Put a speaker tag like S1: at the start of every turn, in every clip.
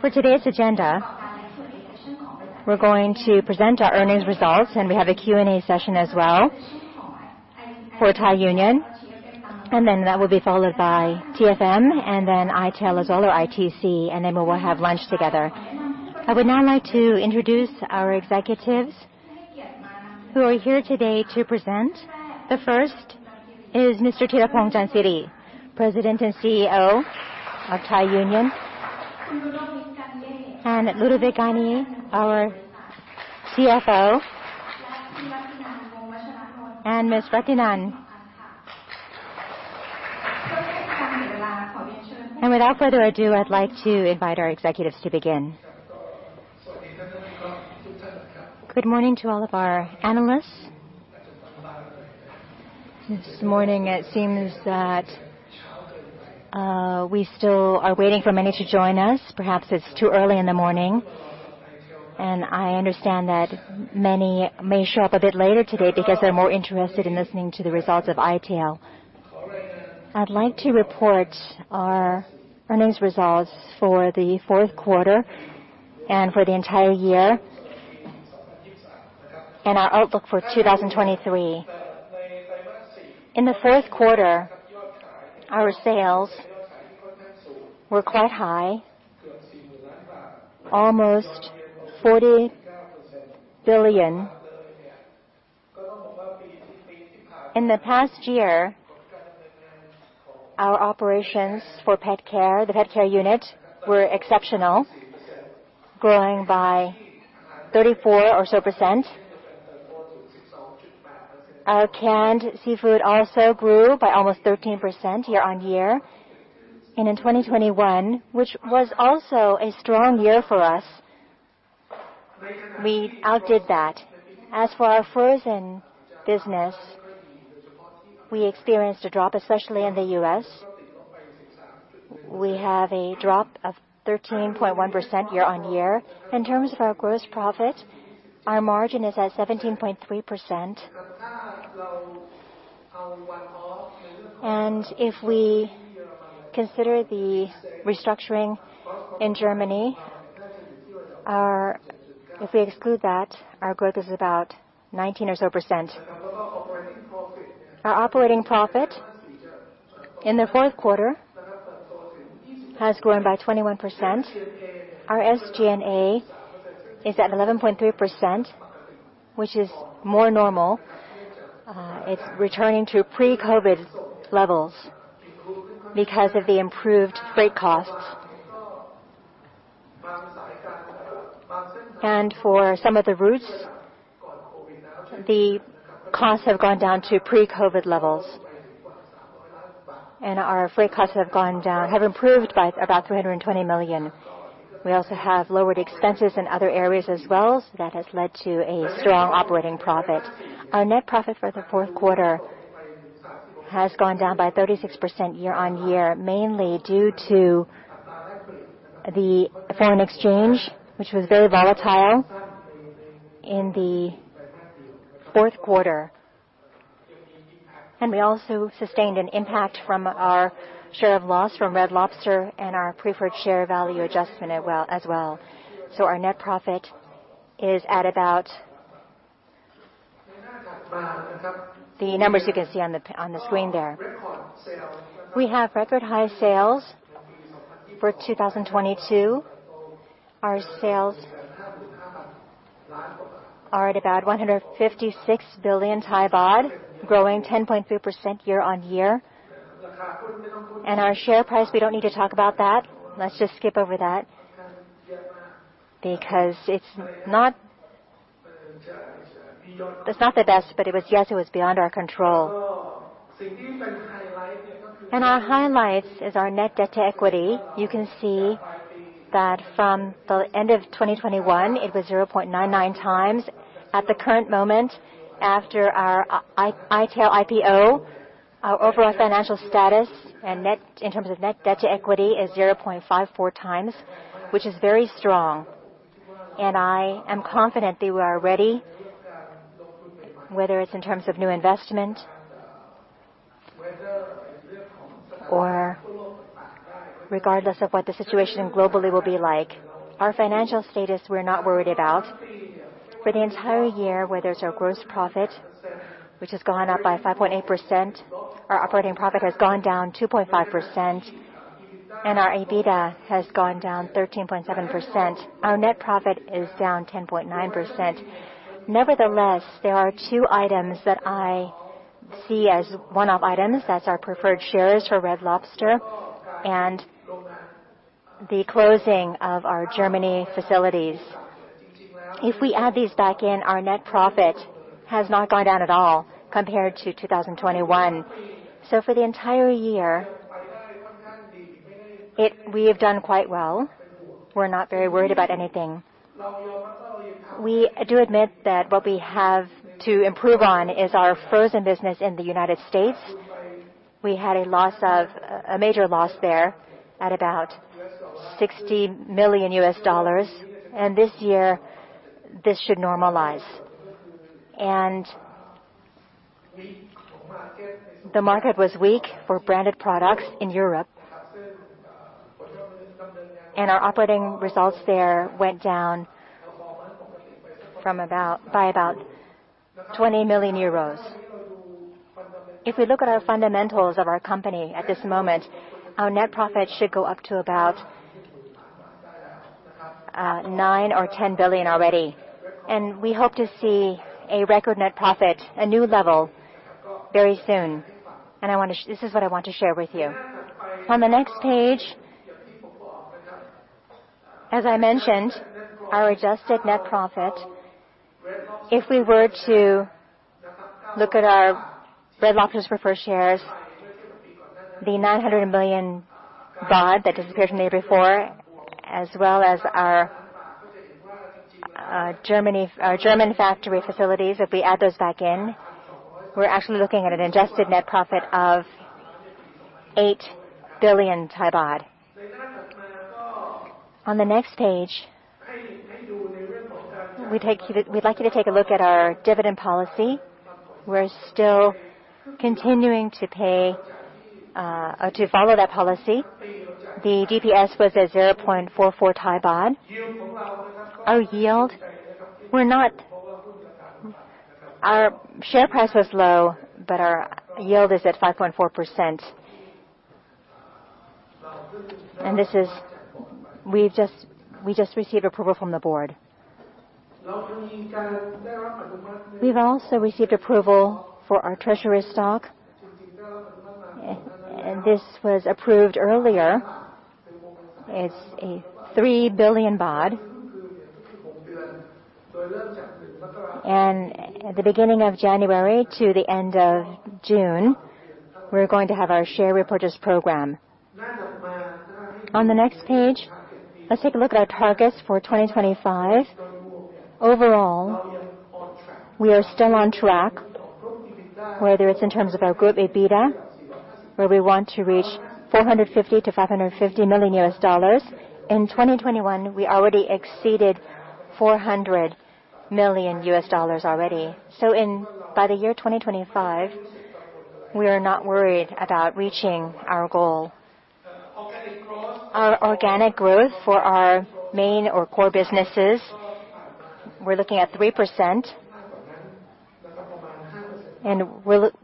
S1: For today's agenda, we're going to present our earnings results, and we have a Q&A session as well for Thai Union. That will be followed by TFM, and then ITC as well, and then we will have lunch together. I would now like to introduce our executives who are here today to present. The first is Mr. Thiraphong Chansiri, President and CEO of Thai Union. Ludovic Garnier, our CFO. Ms. Ratinan. Without further ado, I'd like to invite our executives to begin.
S2: Good morning to all of our analysts. This morning, it seems that we still are waiting for many to join us. Perhaps it's too early in the morning. I understand that many may show up a bit later today because they're more interested in listening to the results of ITC. I'd like to report our earnings results for the fourth quarter and for the entire year and our outlook for 2023. In the fourth quarter, our sales were quite high, almost THB 40 billion. In the past year, our operations for PetCare, the PetCare unit, were exceptional, growing by 34% or so. Our canned seafood also grew by almost 13% year-on-year. In 2021, which was also a strong year for us, we outdid that. As for our frozen business, we experienced a drop, especially in the U.S. We have a drop of 13.1% year-on-year. In terms of our gross profit, our margin is at 17.3%. If we consider the restructuring in Germany, our If we exclude that, our growth is about 19% or so. Our operating profit in the fourth quarter has grown by 21%. Our SG&A is at 11.3%, which is more normal. It's returning to pre-COVID levels because of the improved freight costs. For some of the routes, the costs have gone down to pre-COVID levels, and our freight costs have gone down, have improved by about 320 million. We also have lowered expenses in other areas as well, so that has led to a strong operating profit. Our net profit for the fourth quarter has gone down by 36% year-on-year, mainly due to the foreign exchange, which was very volatile in the fourth quarter. We also sustained an impact from our share of loss from Red Lobster and our preferred share value adjustment as well. Our net profit is at about. The numbers you can see on the screen there. We have record high sales for 2022. Our sales are at about THB 156 billion, growing 10.3% year-on-year. Our share price, we don't need to talk about that. Let's just skip over that because it's not the best, but it was. Yes, it was beyond our control. Our highlights is our net debt to equity. You can see that from the end of 2021, it was 0.99 times. At the current moment, after our ITEL IPO, our overall financial status and net, in terms of net debt to equity is 0.54 times, which is very strong. I am confident that we are ready, whether it's in terms of new investment or regardless of what the situation globally will be like. Our financial status, we're not worried about. For the entire year, whether it's our gross profit, which has gone up by 5.8%, our operating profit has gone down 2.5%, and our EBITDA has gone down 13.7%. Our net profit is down 10.9%. Nevertheless, there are two items that I see as one-off items. That's our preferred shares for Red Lobster and the closing of our Germany facilities. If we add these back in, our net profit has not gone down at all compared to 2021. For the entire year, we have done quite well. We're not very worried about anything. We do admit that what we have to improve on is our frozen business in the United States. We had a major loss there at about $60 million. This year, this should normalize. The market was weak for branded products in Europe. Our operating results there went down by about 20 million euros. If we look at our fundamentals of our company at this moment, our net profit should go up to about 9 or 10 billion already. We hope to see a record net profit, a new level very soon. This is what I want to share with you. On the next page, as I mentioned, our adjusted net profit, if we were to look at our Red Lobster's preferred shares, the 900 million baht that disappeared in the year before, as well as our German factory facilities, if we add those back in, we're actually looking at an adjusted net profit of 8 billion baht. On the next page, we'd like you to take a look at our dividend policy. We're still continuing to pay or to follow that policy. The DPS was at 0.44 baht. Our yield. Our share price was low, but our yield is at 5.4%. This is... We've just received approval from the board. We've also received approval for our treasury stock. This was approved earlier. It's a THB 3 billion. At the beginning of January to the end of June, we're going to have our share repurchase program. On the next page, let's take a look at our targets for 2025. Overall, we are still on track, whether it's in terms of our group EBITDA, where we want to reach $450 million-$550 million. In 2021, we already exceeded $400 million already. By the year 2025, we are not worried about reaching our goal. Our organic growth for our main or core businesses, we're looking at 3%.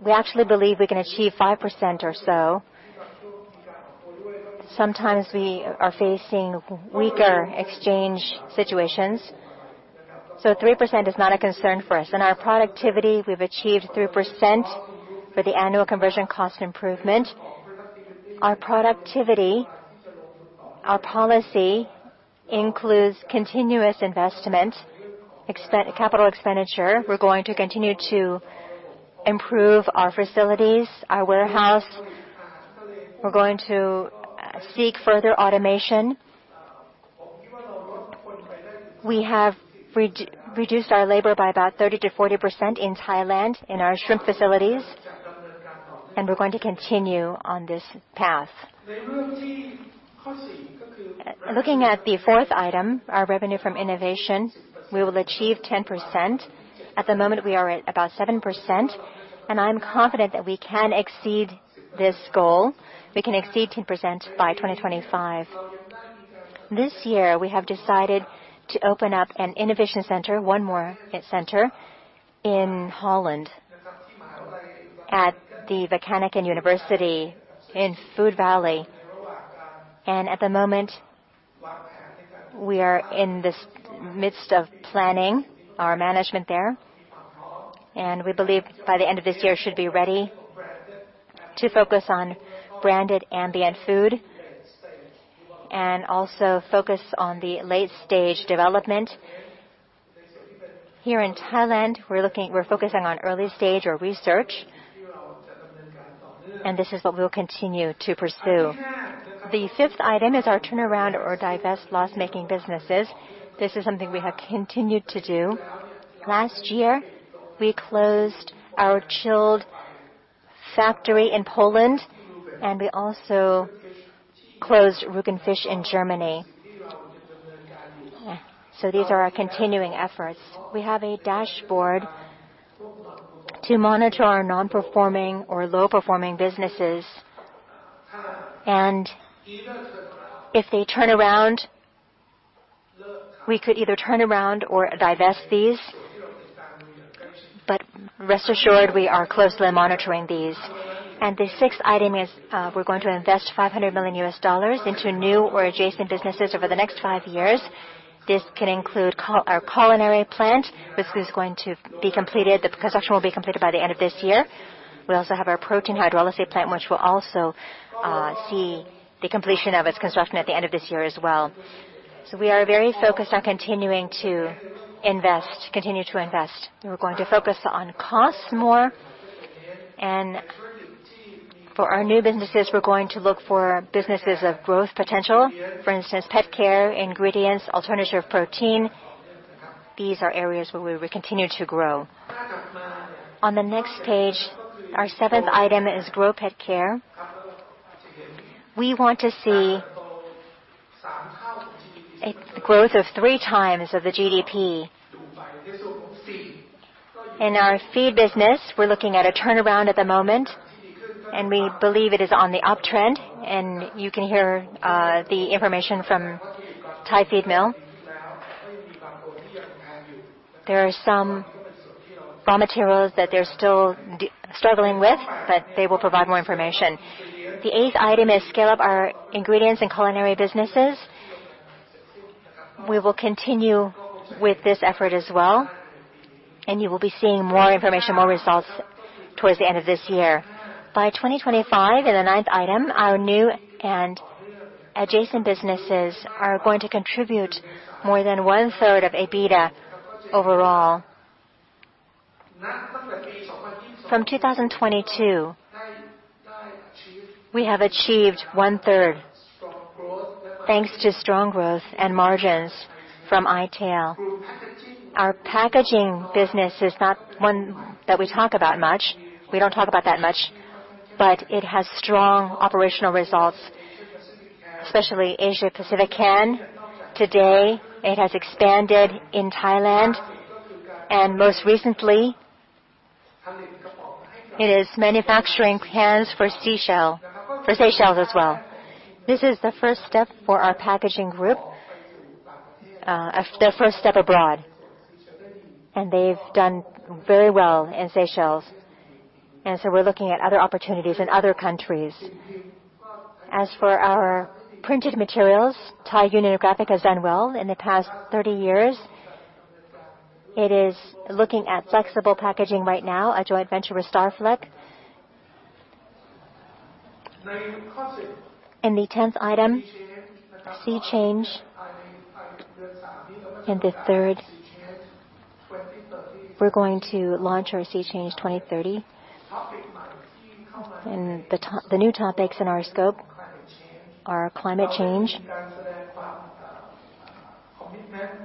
S2: We actually believe we can achieve 5% or so. Sometimes we are facing weaker exchange situations. Three percent is not a concern for us. In our productivity, we've achieved 3% for the annual conversion cost improvement. Our productivity, our policy includes continuous investment, capital expenditure. We're going to continue to improve our facilities, our warehouse. We're going to seek further automation. We have reduced our labor by about 30%-40% in Thailand in our shrimp facilities, and we're going to continue on this path. Looking at the fourth item, our revenue from innovation, we will achieve 10%. At the moment, we are at about 7%, and I'm confident that we can exceed this goal. We can exceed 10% by 2025. This year, we have decided to open up an innovation center, one more center in Holland at the Wageningen University in Food Valley. At the moment, we are in this midst of planning our management there. We believe by the end of this year should be ready to focus on branded ambient food and also focus on the late-stage development. Here in Thailand, we're focusing on early stage or research, and this is what we'll continue to pursue. The fifth item is our turnaround or divest loss-making businesses. This is something we have continued to do. Last year, we closed our chilled factory in Poland, and we also closed Rügen Fisch in Germany. These are our continuing efforts. We have a dashboard to monitor our non-performing or low-performing businesses. If they turn around, we could either turn around or divest these. Rest assured, we are closely monitoring these. The sixth item is, we're going to invest $500 million into new or adjacent businesses over the next five years. This can include our culinary plant, which is going to be completed. The construction will be completed by the end of this year. We also have our protein hydrolysis plant, which will also see the completion of its construction at the end of this year as well. We are very focused on continuing to invest. We're going to focus on costs more. For our new businesses, we're going to look for businesses of growth potential. For instance, PetCare, ingredients, alternative protein. These are areas where we will continue to grow. On the next page, our seventh item is grow PetCare. We want to see a growth of three times of the GDP. In our feed business, we're looking at a turnaround at the moment, and we believe it is on the uptrend, and you can hear the information from Thai Union Feedmill. There are some raw materials that they're still struggling with, but they will provide more information. The eighth item is scale up our ingredients and culinary businesses. We will continue with this effort as well, and you will be seeing more information, more results towards the end of this year. By 2025, in the ninth item, our new and adjacent businesses are going to contribute more than one-third of EBITDA overall. From 2022, we have achieved one-third thanks to strong growth and margins from i-Tail. Our packaging business is not one that we talk about much. We don't talk about that much, but it has strong operational results, especially Asia Pacific Can. Today, it has expanded in Thailand. Most recently, it is manufacturing cans for Seychelles as well. This is the first step for our packaging group, the first step abroad. They've done very well in Seychelles. We're looking at other opportunities in other countries. As for our printed materials, Thai Union Graphic has done well in the past 30 years. It is looking at flexible packaging right now, a joint venture with Starflex. The 10th item, SeaChange. In the third, we're going to launch our SeaChange 2030. The new topics in our scope are climate change.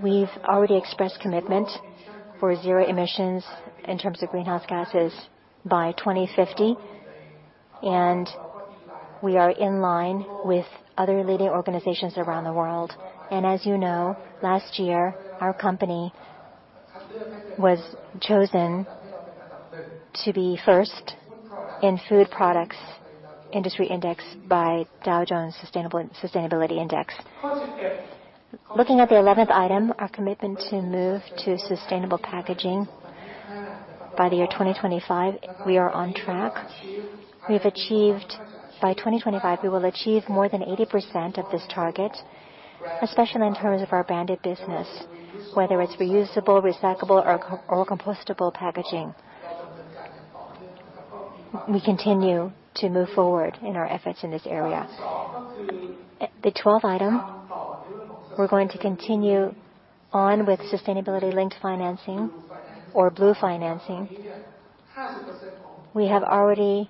S2: We've already expressed commitment for zero emissions in terms of greenhouse gases by 2050, and we are in line with other leading organizations around the world. As you know, last year, our company was chosen to be first in food products industry index by Dow Jones Sustainability Index. Looking at the 11th item, our commitment to move to sustainable packaging by the year 2025, we are on track. By 2025, we will achieve more than 80% of this target, especially in terms of our branded business, whether it's reusable, recyclable or compostable packaging. We continue to move forward in our efforts in this area. The 12th item, we're going to continue on with sustainability-linked financing or blue financing. We have already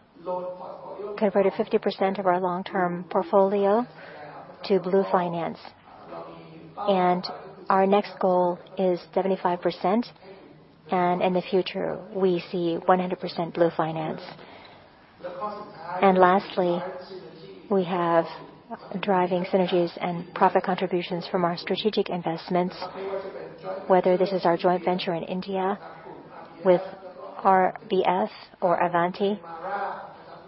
S2: converted 50% of our long-term portfolio to blue finance, and our next goal is 75%. In the future, we see 100% blue finance. Lastly, we have driving synergies and profit contributions from our strategic investments, whether this is our joint venture in India with RBS or Avanti.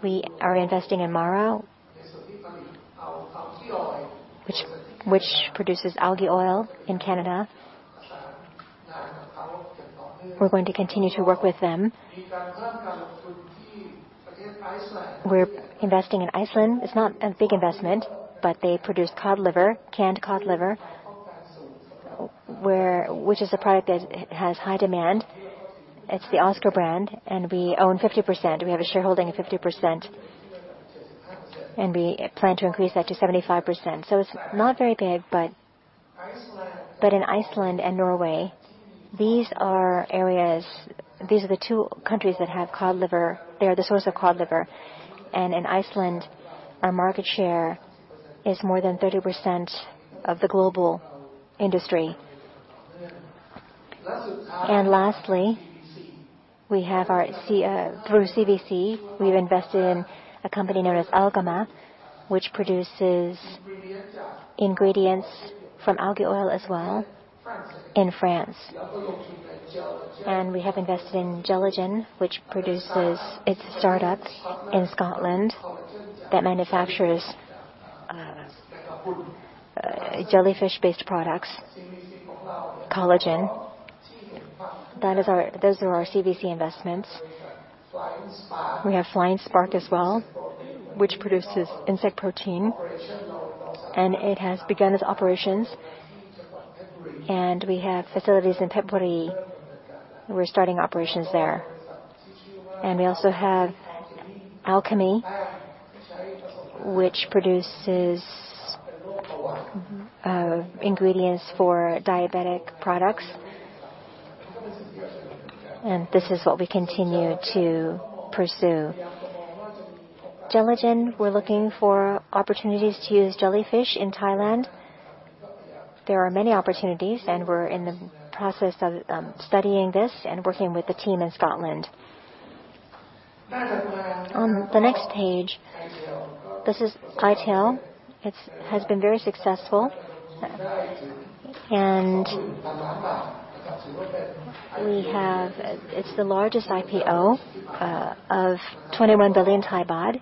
S2: We are investing in Mara, which produces algae oil in Canada. We're going to continue to work with them. We're investing in Iceland. It's not a big investment, but they produce cod liver, canned cod liver, which is a product that has high demand. It's the Oscar brand, and we own 50%. We have a shareholding of 50%, and we plan to increase that to 75%. It's not very big, but in Iceland and Norway, these are the two countries that have cod liver. They are the source of cod liver. In Iceland, our market share is more than 30% of the global industry. Lastly, through CVC, we've invested in a company known as Algama, which produces ingredients from algae oil as well in France. We have invested in Jellagen, which produces its startups in Scotland that manufactures jellyfish-based products, collagen. Those are our CVC investments. We have Flying Spark as well, which produces insect protein, and it has begun its operations. We have facilities in Phetchaburi. We're starting operations there. We also have Alchemy, which produces ingredients for diabetic products. This is what we continue to pursue. Jellagen, we're looking for opportunities to use jellyfish in Thailand. There are many opportunities, and we're in the process of studying this and working with the team in Scotland. On the next page, this is ITC. It has been very successful. We have... It's the largest IPO, of 21 billion baht.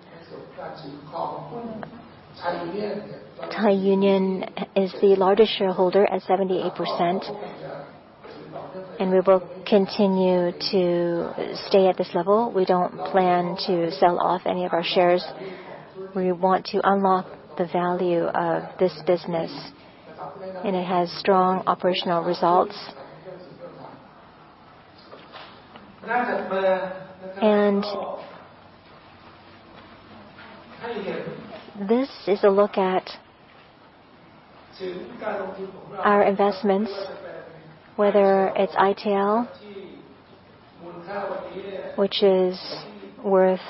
S2: Thai Union is the largest shareholder at 78%, and we will continue to stay at this level. We don't plan to sell off any of our shares. We want to unlock the value of this business, and it has strong operational results. This is a look at our investments, whether it's ITC, which is worth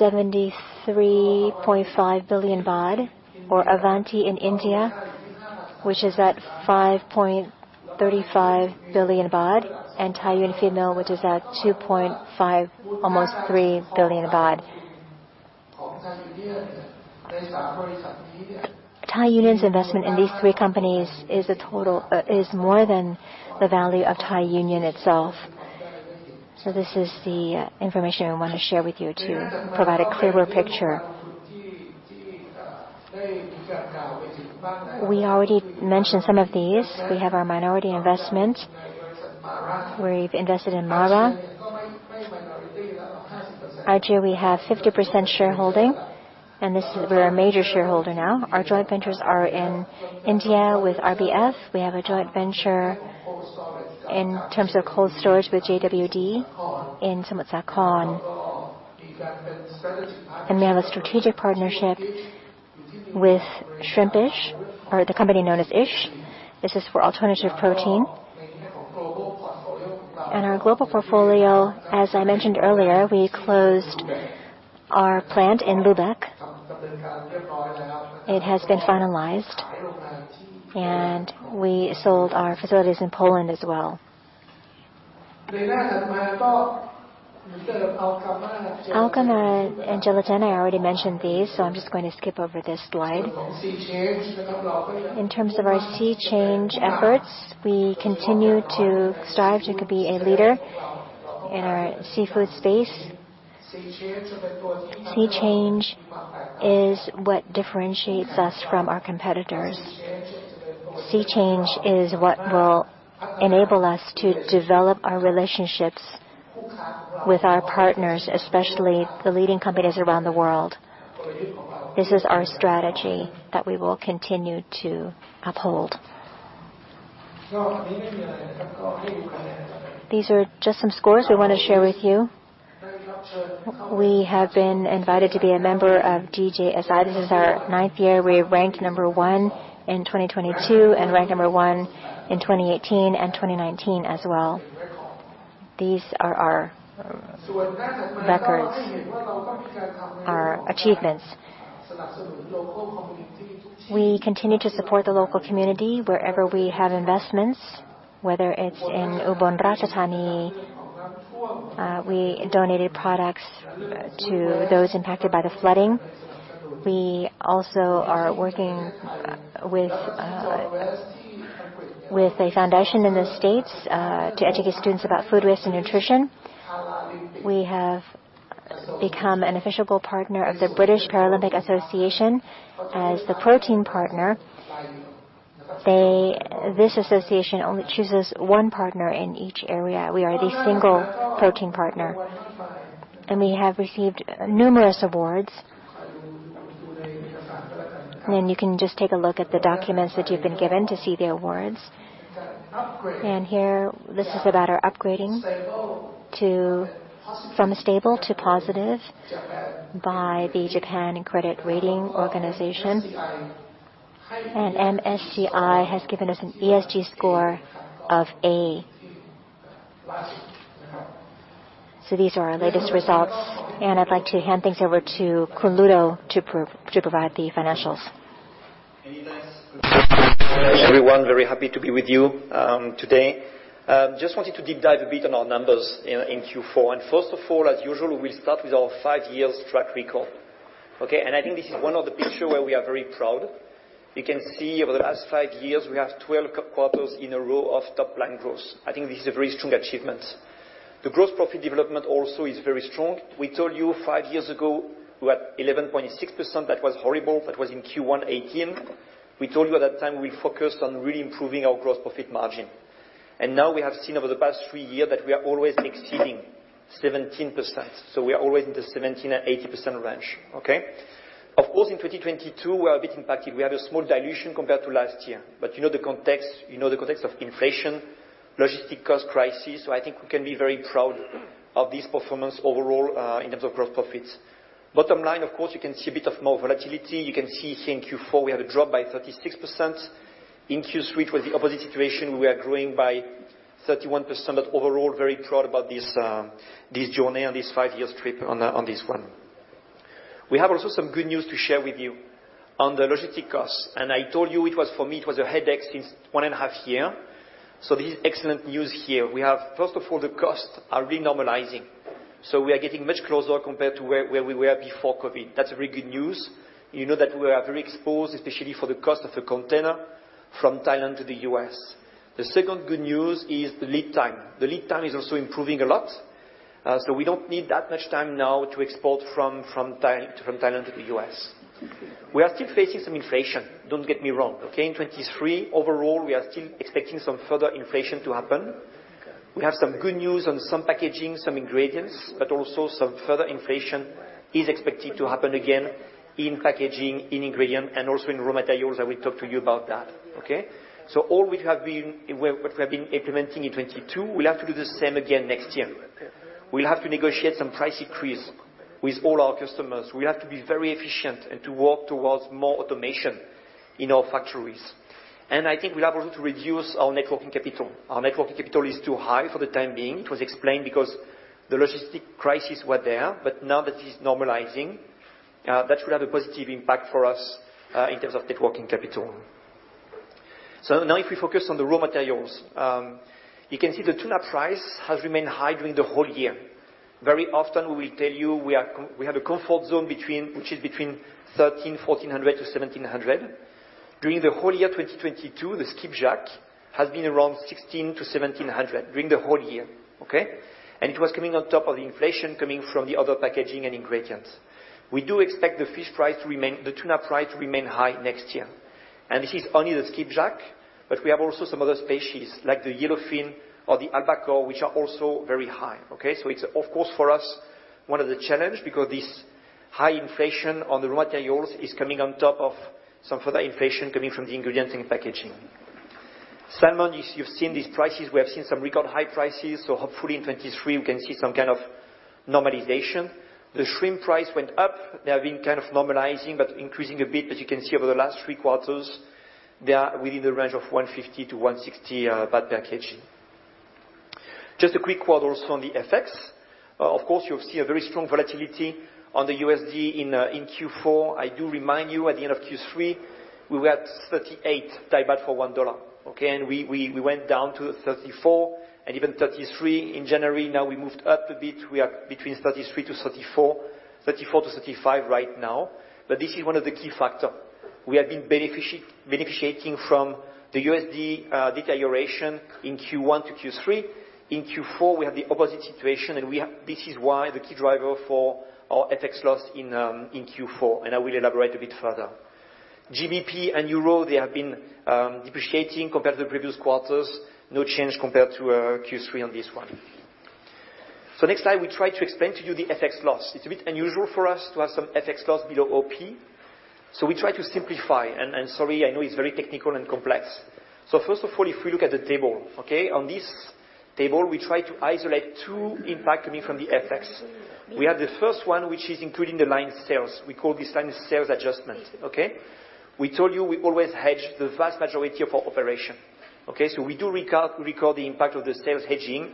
S2: 73.5 billion baht or Avanti in India, which is at 5.35 billion baht and Thai Union Feedmill, which is at 2.5, almost 3 billion. Thai Union's investment in these three companies is a total is more than the value of Thai Union itself. This is the information we wanna share with you to provide a clearer picture. We already mentioned some of these. We have our minority investment. We've invested in Mara. RGA, we have 50% shareholding. We're a major shareholder now. Our joint ventures are in India with RBF. We have a joint venture in terms of cold storage with JWD in Samut Sakhon. We have a strategic partnership with Shrimpish or the company known as Ish. This is for alternative protein. Our global portfolio, as I mentioned earlier, we closed our plant in Lübeck. It has been finalized, and we sold our facilities in Poland as well. Algama and GELITA, I already mentioned these, so I'm just going to skip over this slide. In terms of our SeaChange efforts, we continue to strive to be a leader in our seafood space. SeaChange is what differentiates us from our competitors. SeaChange is what will enable us to develop our relationships with our partners, especially the leading companies around the world. This is our strategy that we will continue to uphold. These are just some scores we want to share with you. We have been invited to be a member of DJSI. This is our ninth year. We ranked number one in 2022 and ranked number one in 2018 and 2019 as well. These are our records, our achievements. We continue to support the local community wherever we have investments, whether it's in Ubon Ratchathani. We donated products to those impacted by the flooding. We also are working with a foundation in the States to educate students about food waste and nutrition. We have become an official partner of the British Paralympic Association as the protein partner. This association only chooses one partner in each area. We are the single protein partner. We have received numerous awards. You can just take a look at the documents that you've been given to see the awards. Here, this is about our upgrading to... From stable to positive by the Japan Credit Rating Agency, Ltd. MSCI has given us an ESG score of A. These are our latest results, I'd like to hand things over to Ludovic to provide the financials.
S3: Many thanks. Everyone, very happy to be with you today. Just wanted to deep dive a bit on our numbers in Q4. First of all, as usual, we'll start with our five years track record, okay? I think this is one of the picture where we are very proud. You can see over the last five years, we have 12 quarters in a row of top-line growth. I think this is a very strong achievement. The gross profit development also is very strong. We told you five years ago, we were at 11.6%. That was horrible. That was in Q1 2018. We told you at that time, we focused on really improving our gross profit margin. Now we have seen over the past three years that we are always exceeding 17%. We are always in the 17%-80% range, okay? Of course, in 2022, we are a bit impacted. We have a small dilution compared to last year. You know the context, you know the context of inflation, logistic cost crisis, I think we can be very proud of this performance overall, in terms of growth profits. Bottom line, of course, you can see a bit of more volatility. You can see here in Q4, we have a drop by 36%. In Q3, it was the opposite situation. We are growing by 31%. Overall, very proud about this journey on this five years trip on this one. We have also some good news to share with you on the logistic costs. I told you it was, for me, it was a headache since one and a half year. This is excellent news here. We have, first of all, the costs are re-normalizing, we are getting much closer compared to where we were before COVID. That's very good news. You know that we are very exposed, especially for the cost of a container from Thailand to the U.S. The second good news is the lead time. The lead time is also improving a lot, we don't need that much time now to export from Thailand to the U.S. We are still facing some inflation. Don't get me wrong, okay? In 23 overall, we are still expecting some further inflation to happen. We have some good news on some packaging, some ingredients, also some further inflation is expected to happen again in packaging, in ingredient, and also in raw materials. I will talk to you about that. Okay? All what we have been implementing in 2022, we'll have to do the same again next year. We'll have to negotiate some price increase with all our customers. We have to be very efficient and to work towards more automation in our factories. I think we're able to reduce our net working capital. Our net working capital is too high for the time being. It was explained because the logistics crisis was there, but now that it's normalizing, that will have a positive impact for us in terms of net working capital. Now if we focus on the raw materials, you can see the tuna price has remained high during the whole year. Very often, we will tell you, we have a comfort zone between, which is between 1,300-1,400 to 1,700. During the whole year 2022, the skipjack has been around 1,600-1,700 during the whole year. Okay? It was coming on top of the inflation coming from the other packaging and ingredients. We do expect the tuna price to remain high next year. This is only the skipjack, but we have also some other species like the yellowfin or the albacore, which are also very high. Okay? It's of course for us one of the challenge because this high inflation on the raw materials is coming on top of some further inflation coming from the ingredients and packaging. Salmon is... You've seen these prices. We have seen some record high prices, so hopefully in 2023 we can see some kind of normalization. The shrimp price went up. They have been kind of normalizing but increasing a bit. You can see over the last three quarters they are within the range of 150-160 baht per kg. Just a quick word also on the FX. Of course you'll see a very strong volatility on the USD in Q4. I do remind you at the end of Q3 we were at 38 for $1. Okay? We went down to 34 and even 33 in January. Now we moved up a bit. We are between 33-34, 34-35 right now. This is one of the key factor. We have been beneficiating from the USD deterioration in Q1 to Q3. In Q4 we have the opposite situation and this is why the key driver for our FX loss in Q4, and I will elaborate a bit further. GBP and euro, they have been depreciating compared to the previous quarters. No change compared to Q3 on this one. Next slide we try to explain to you the FX loss. It's a bit unusual for us to have some FX loss below OP, we try to simplify and sorry, I know it's very technical and complex. First of all, if we look at the table, okay, on this table we try to isolate two impact coming from the FX. We have the 1st one which is including the line sales. We call this line sales adjustment. Okay? We told you we always hedge the vast majority of our operation. Okay? We do record the impact of the sales hedging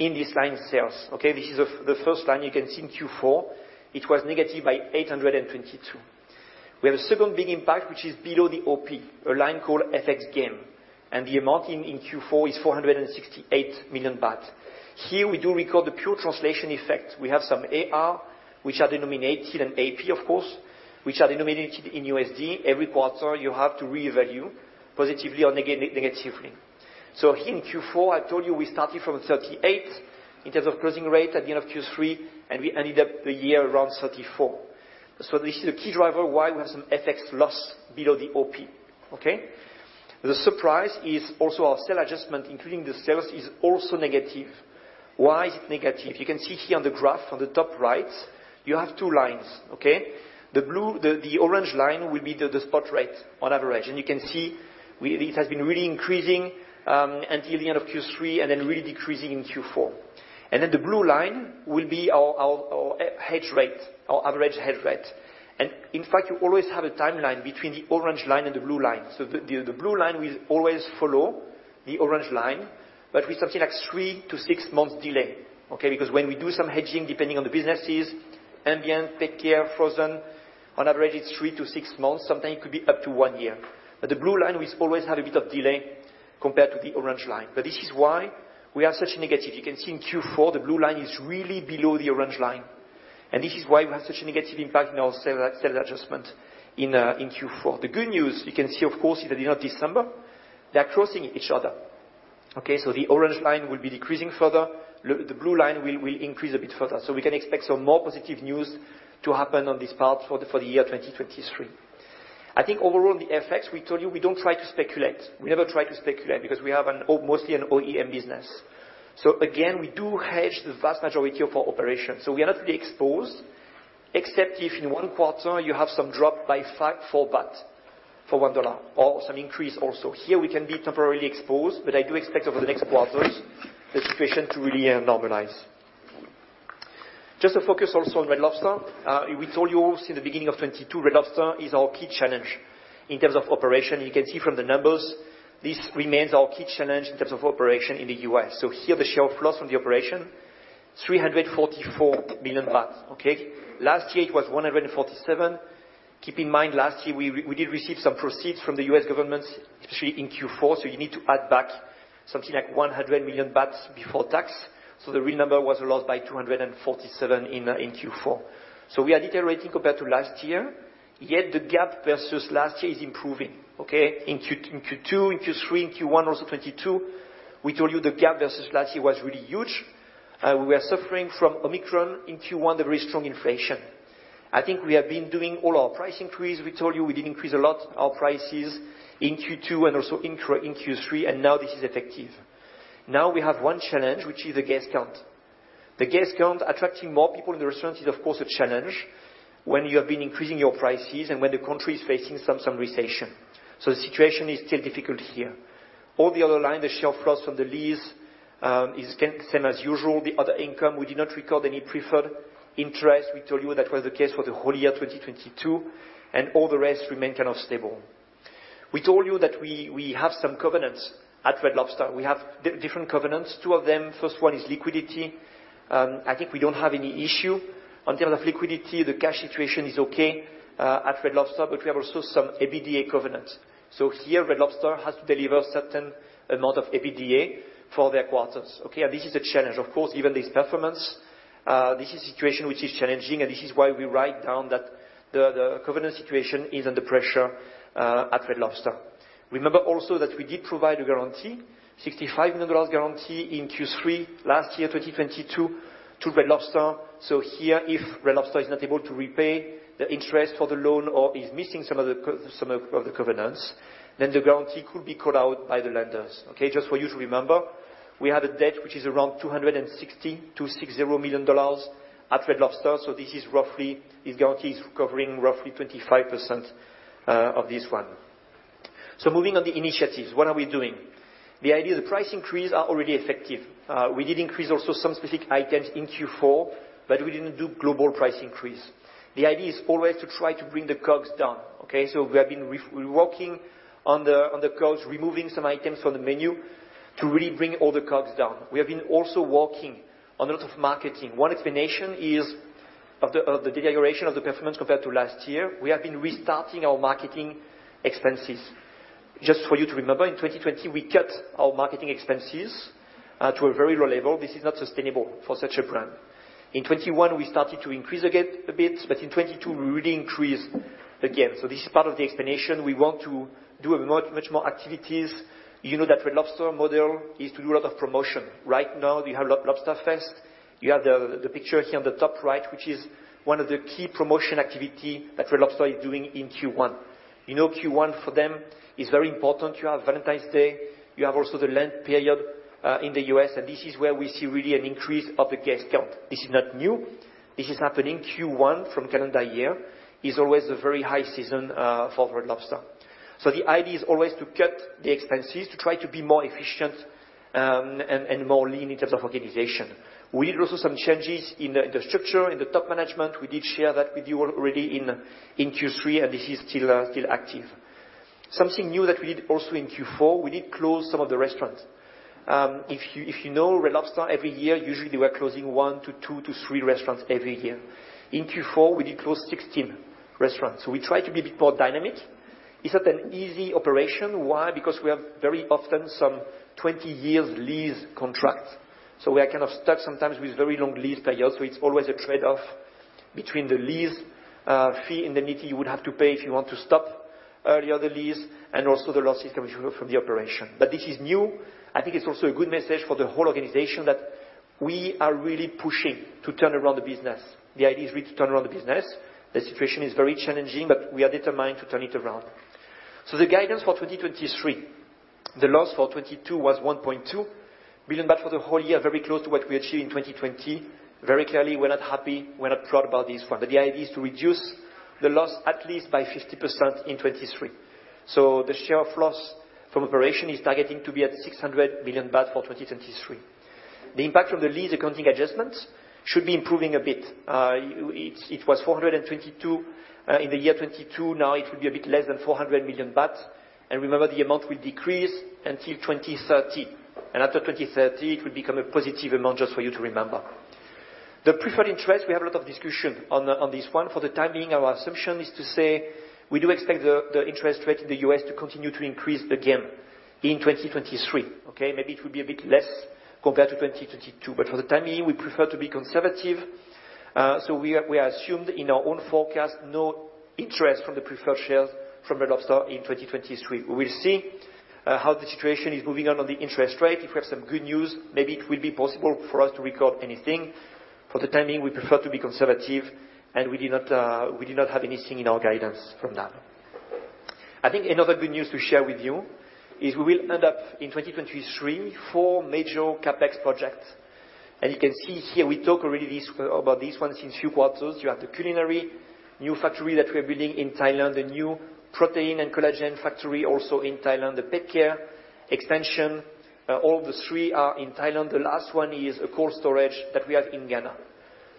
S3: in this line sales. Okay? This is the first time you can see in Q4 it was negative by 822. We have a second big impact which is below the OP, a line called FX Gain. The amount in Q4 is 468 million baht. Here we do record the pure translation effect. We have some AR which are denominated in AP, of course, which are denominated in USD. Every quarter you have to revalue positively or negatively. Here in Q4, I told you we started from 38 in terms of closing rate at the end of Q3 and we ended up the year around 34. This is a key driver why we have some FX loss below the OP. Okay? The surprise is also our sale adjustment including the sales is also negative. Why is it negative? You can see here on the graph on the top right you have two lines, okay? The orange line will be the spot rate on average, and you can see it has been really increasing until the end of Q3 and then really decreasing in Q4. Then the blue line will be our hedge rate, our average hedge rate. In fact you always have a timeline between the orange line and the blue line. The blue line will always follow the orange line but with something like three to six months delay, okay? Because when we do some hedging depending on the businesses, ambient, PetCare, frozen, on average it's three to six months, sometimes it could be up to one year. The blue line will always have a bit of delay compared to the orange line. This is why we are such negative. You can see in Q4 the blue line is really below the orange line and this is why we have such a negative impact in our sale adjustment in Q4. The good news you can see of course at the end of December they are crossing each other. The orange line will be decreasing further. The blue line will increase a bit further. We can expect some more positive news to happen on this part for the year 2023. I think overall in the FX we told you we don't try to speculate. We never try to speculate because we have mostly an OEM business. Again we do hedge the vast majority of our operations, so we are not really exposed except if in one quarter you have some drop by 5, 4 baht for $1 or some increase also. Here we can be temporarily exposed but I do expect over the next quarters the situation to really normalize. Just to focus also on Red Lobster. We told you since the beginning of 2022 Red Lobster is our key challenge. In terms of operation, you can see from the numbers, this remains our key challenge in terms of operation in the U.S. Here, the share of loss from the operation, 344 million baht, okay? Last year it was 147 million. Keep in mind, last year we did receive some proceeds from the U.S. government, especially in Q4. You need to add back something like 100 million baht before tax. The real number was lost by 247 in Q4. We are deteriorating compared to last year, yet the gap versus last year is improving, okay? In Q2, in Q3, in Q1 also 2022, we told you the gap versus last year was really huge. We were suffering from Omicron in Q1, the very strong inflation. I think we have been doing all our price increase. We told you we did increase a lot our prices in Q2 and also in Q3. Now this is effective. Now we have one challenge, which is the guest count. The guest count, attracting more people in the restaurants is of course a challenge when you have been increasing your prices and when the country is facing some recession. The situation is still difficult here. All the other line, the share of loss from the lease is same as usual. The other income, we did not record any preferred interest. We told you that was the case for the whole year 2022, and all the rest remain kind of stable. We told you that we have some covenants at Red Lobster. We have different covenants, two of them. First one is liquidity. I think we don't have any issue. On terms of liquidity, the cash situation is okay at Red Lobster, but we have also some EBITDA covenants. Here, Red Lobster has to deliver certain amount of EBITDA for their quarters, okay. This is a challenge. Of course, given this performance, this is a situation which is challenging, and this is why we write down that the covenant situation is under pressure at Red Lobster. Remember also that we did provide a guarantee, $65 million guarantee in Q3 last year, 2022, to Red Lobster. Here, if Red Lobster is not able to repay the interest for the loan or is missing some of the covenants, then the guarantee could be called out by the lenders, okay. Just for you to remember, we have a debt which is around $260 million at Red Lobster. This is roughly... This guarantee is covering roughly 25% of this one. Moving on the initiatives, what are we doing? The idea, the price increase are already effective. We did increase also some specific items in Q4, but we didn't do global price increase. The idea is always to try to bring the costs down, okay? We have been working on the, on the costs, removing some items from the menu to really bring all the costs down. We have been also working on a lot of marketing. One explanation is of the, of the deterioration of the performance compared to last year, we have been restarting our marketing expenses. Just for you to remember, in 2020 we cut our marketing expenses to a very low level. This is not sustainable for such a brand. In 2021, we started to increase again a bit, but in 2022, we really increased again. This is part of the explanation. We want to do much more activities. You know that Red Lobster model is to do a lot of promotion. Right now, we have Lobsterfest. You have the picture here on the top right, which is one of the key promotion activity that Red Lobster is doing in Q1. You know Q1 for them is very important. You have Valentine's Day. You have also the Lent period in the U.S., this is where we see really an increase of the guest count. This is not new. This is happening. Q1 from calendar year is always a very high season for Red Lobster. The idea is always to cut the expenses, to try to be more efficient, and more lean in terms of organization. We did also some changes in the structure, in the top management. We did share that with you already in Q3, this is still still active. Something new that we did also in Q4, we did close some of the restaurants. If you know Red Lobster, every year, usually they were closing one to two to three restaurants every year. In Q4, we did close 16 restaurants. We try to be a bit more dynamic. It's not an easy operation. Why? Because we have very often some 20-year lease contracts, we are kind of stuck sometimes with very long lease periods, it's always a trade-off between the lease fee indemnity you would have to pay if you want to stop earlier the lease and also the loss you take from the operation. This is new. I think it's also a good message for the whole organization that we are really pushing to turn around the business. The idea is really to turn around the business. The situation is very challenging, but we are determined to turn it around. The guidance for 2023, the loss for 2022 was 1.2 billion baht for the whole year, very close to what we achieved in 2020. Very clearly, we're not happy, we're not proud about this one. The idea is to reduce the loss at least by 50% in 2023. The share of loss from operation is targeting to be at 600 million baht for 2023. The impact from the lease accounting adjustments should be improving a bit. It was 422 in the year 2022. Now it will be a bit less than 400 million baht. Remember, the amount will decrease until 2030. After 2030, it will become a positive amount, just for you to remember. The preferred interest, we have a lot of discussion on this one. For the time being, our assumption is to say we do expect the interest rate in the U.S. to continue to increase again in 2023, okay? Maybe it will be a bit less compared to 2022, but for the time being, we prefer to be conservative. We assumed in our own forecast no interest from the preferred shares from Red Lobster in 2023. We will see how the situation is moving on the interest rate. If we have some good news, maybe it will be possible for us to record anything. For the time being, we prefer to be conservative. We did not have anything in our guidance from that. I think another good news to share with you is we will end up in 2023, four major CapEx projects. You can see here, we talk about these ones in few quarters. You have the culinary new factory that we're building in Thailand, the new protein and collagen factory also in Thailand, the PetCare expansion. All the three are in Thailand. The last one is a cold storage that we have in Ghana.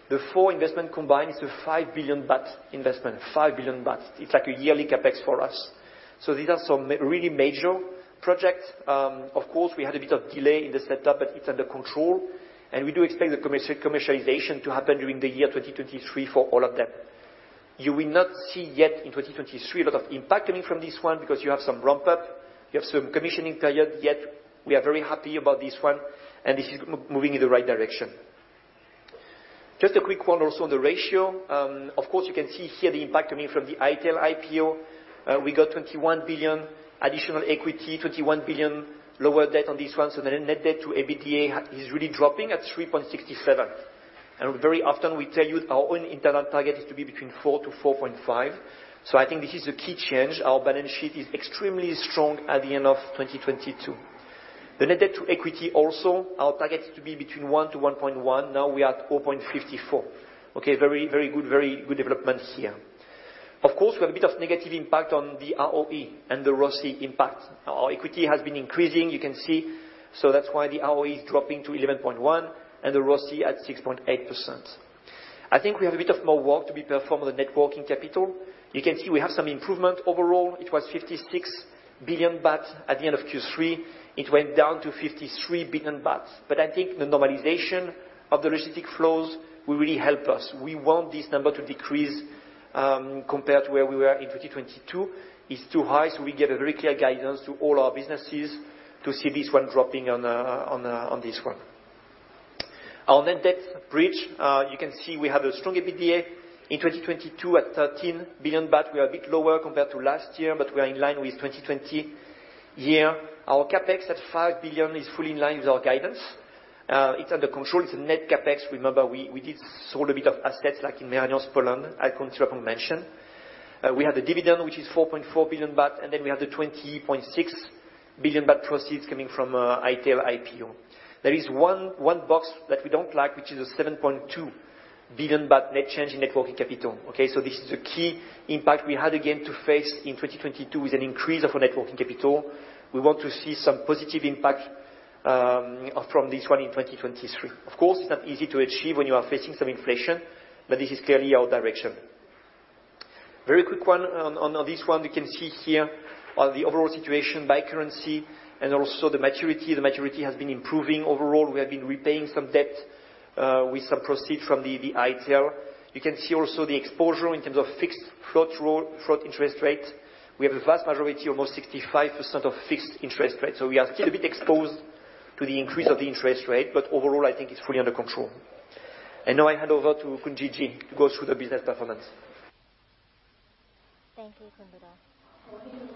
S3: The four investment combined is a 5 billion baht investment. 5 billion baht. It's like a yearly CapEx for us. These are some really major projects, of course, we had a bit of delay in the setup, but it's under control. We do expect the commercialization to happen during the year 2023 for all of them. You will not see yet in 2023 a lot of impact coming from this one because you have some ramp up, you have some commissioning period, yet we are very happy about this one and this is moving in the right direction. Just a quick one also on the ratio. Of course, you can see here the impact coming from the ITC IPO. We got 21 billion additional equity, 21 billion lower debt on this one, so the Net Debt to EBITDA is really dropping at 3.67. Very often we tell you our own internal target is to be between 4-4.5, so I think this is a key change. Our balance sheet is extremely strong at the end of 2022. The net debt to equity also, our target is to be between one to 1.1. Now we are at 4.54. Okay, very, very good, very good developments here. Of course, we have a bit of negative impact on the ROE and the ROCE impact. Our equity has been increasing, you can see. That's why the ROE is dropping to 11.1 and the ROCE at 6.8%. I think we have a bit of more work to be performed on the net working capital. You can see we have some improvement overall. It was 56 billion baht at the end of Q3. It went down to 53 billion baht. I think the normalization of the logistic flows will really help us. We want this number to decrease, compared to where we were in 2022. It's too high, we give a very clear guidance to all our businesses to see this one dropping on this one. Our net debt bridge, you can see we have a strong EBITDA in 2022 at 13 billion baht. We are a bit lower compared to last year, but we are in line with 2020. Our CapEx at 5 billion is fully in line with our guidance. It's under control. It's a net CapEx. Remember, we did sold a bit of assets like in Merianos Poland, as Khun Supan mentioned. We have the dividend, which is 4.4 billion baht, then we have the 20.6 billion baht proceeds coming from ITC IPO. There is one box that we don't like, which is a 7.2 billion baht net change in net working capital, okay. This is a key impact we had again to face in 2022 with an increase of our net working capital. We want to see some positive impact from this one in 2023. Of course, it's not easy to achieve when you are facing some inflation, this is clearly our direction. Very quick one on this one. You can see here the overall situation by currency and also the maturity. The maturity has been improving overall. We have been repaying some debt with some proceed from the ITC. You can see also the exposure in terms of fixed float interest rate. We have a vast majority, almost 65% of fixed interest rate. We are still a bit exposed to the increase of the interest rate, but overall, I think it's fully under control. Now I hand over to Khun Jeeji to go through the business performance.
S2: Thank you, Ludovic.